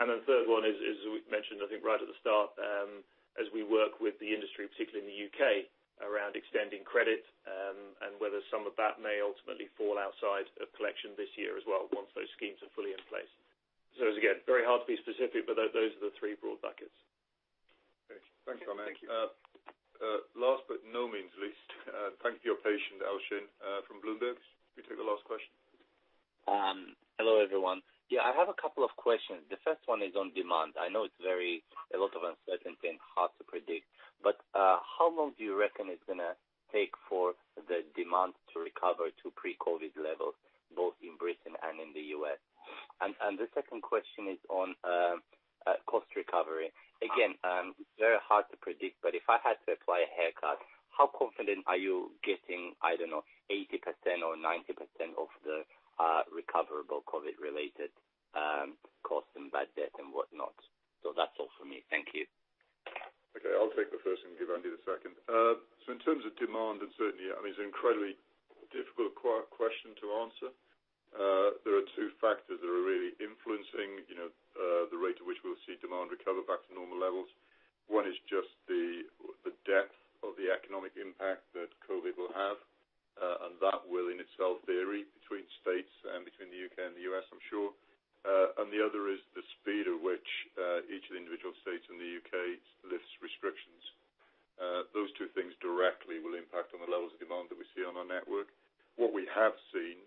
And then the third one is, as we mentioned, I think right at the start, as we work with the industry, particularly in the U.K., around extending credit and whether some of that may ultimately fall outside of collection this year as well once those schemes are fully in place. So again, very hard to be specific, but those are the three broad buckets. Thanks, John. Thank you. Last but no means least, thanks for your patience, Alshin, from Bloomberg. You took the last question. Hello, everyone. Yeah. I have a couple of questions. The first one is on demand. I know it's very a lot of uncertainty and hard to predict. But how long do you reckon it's going to take for the demand to recover to pre-COVID levels, both in Britain and in the U.S.? And the second question is on cost recovery. Again, very hard to predict, but if I had to apply a haircut, how confident are you getting, I don't know, 80% or 90% of the recoverable COVID-related costs and bad debt and whatnot? So that's all for me. Thank you. Okay. I'll take the first and give Andy the second. So in terms of demand and certainty, I mean, it's an incredibly difficult question to answer. There are two factors that are really influencing the rate at which we'll see demand recover back to normal levels. One is just the depth of the economic impact that COVID will have, and that will in itself vary between states and between the U.K. and the U.S., I'm sure. And the other is the speed at which each of the individual states in the U.K. lifts restrictions. Those two things directly will impact on the levels of demand that we see on our network. What we have seen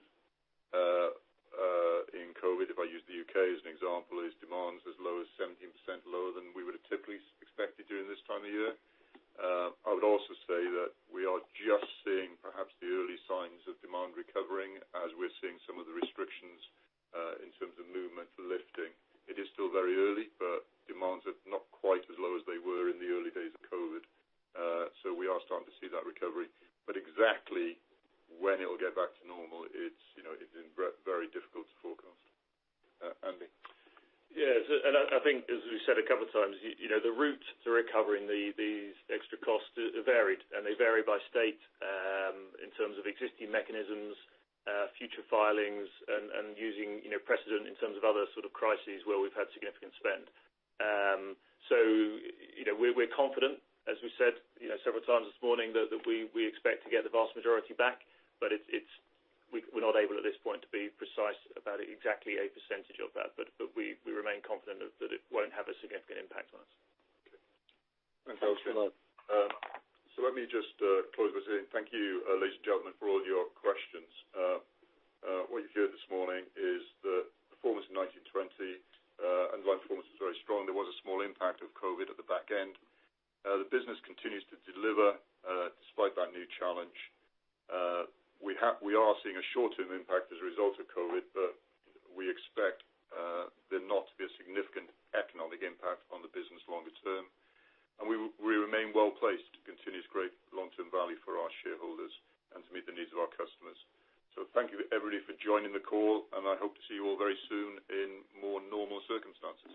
in COVID, if I use the U.K. as an example, is demand as low as 17% lower than we would have typically expected during this time of year. I would also say that we are just seeing perhaps the early signs of demand recovering as we're seeing some of the restrictions in terms of movement lifting. It is still very early, but demands are not quite as low as they were in the early days of COVID. So we are starting to see that recovery. But exactly when it'll get back to normal, it's very difficult to forecast. Andy? Yeah. And I think, as we've said a couple of times, the route to recovering these extra costs varied, and they vary by state in terms of existing mechanisms, future filings, and using precedent in terms of other sort of crises where we've had significant spend. So we're confident, as we said several times this morning, that we expect to get the vast majority back, but we're not able at this point to be precise about exactly a percentage of that. But we remain confident that it won't have a significant impact on us. Thanks for that. So let me just close by saying thank you, ladies and gentlemen, for all your questions. What you've heard this morning is that performance in 2019-2020, underlying performance was very strong. There was a small impact of COVID at the back end. The business continues to deliver despite that new challenge. We are seeing a short-term impact as a result of COVID, but we expect there not to be a significant economic impact on the business longer term. And we remain well placed to continue to create long-term value for our shareholders and to meet the needs of our customers. So thank you, everybody, for joining the call, and I hope to see you all very soon in more normal circumstances.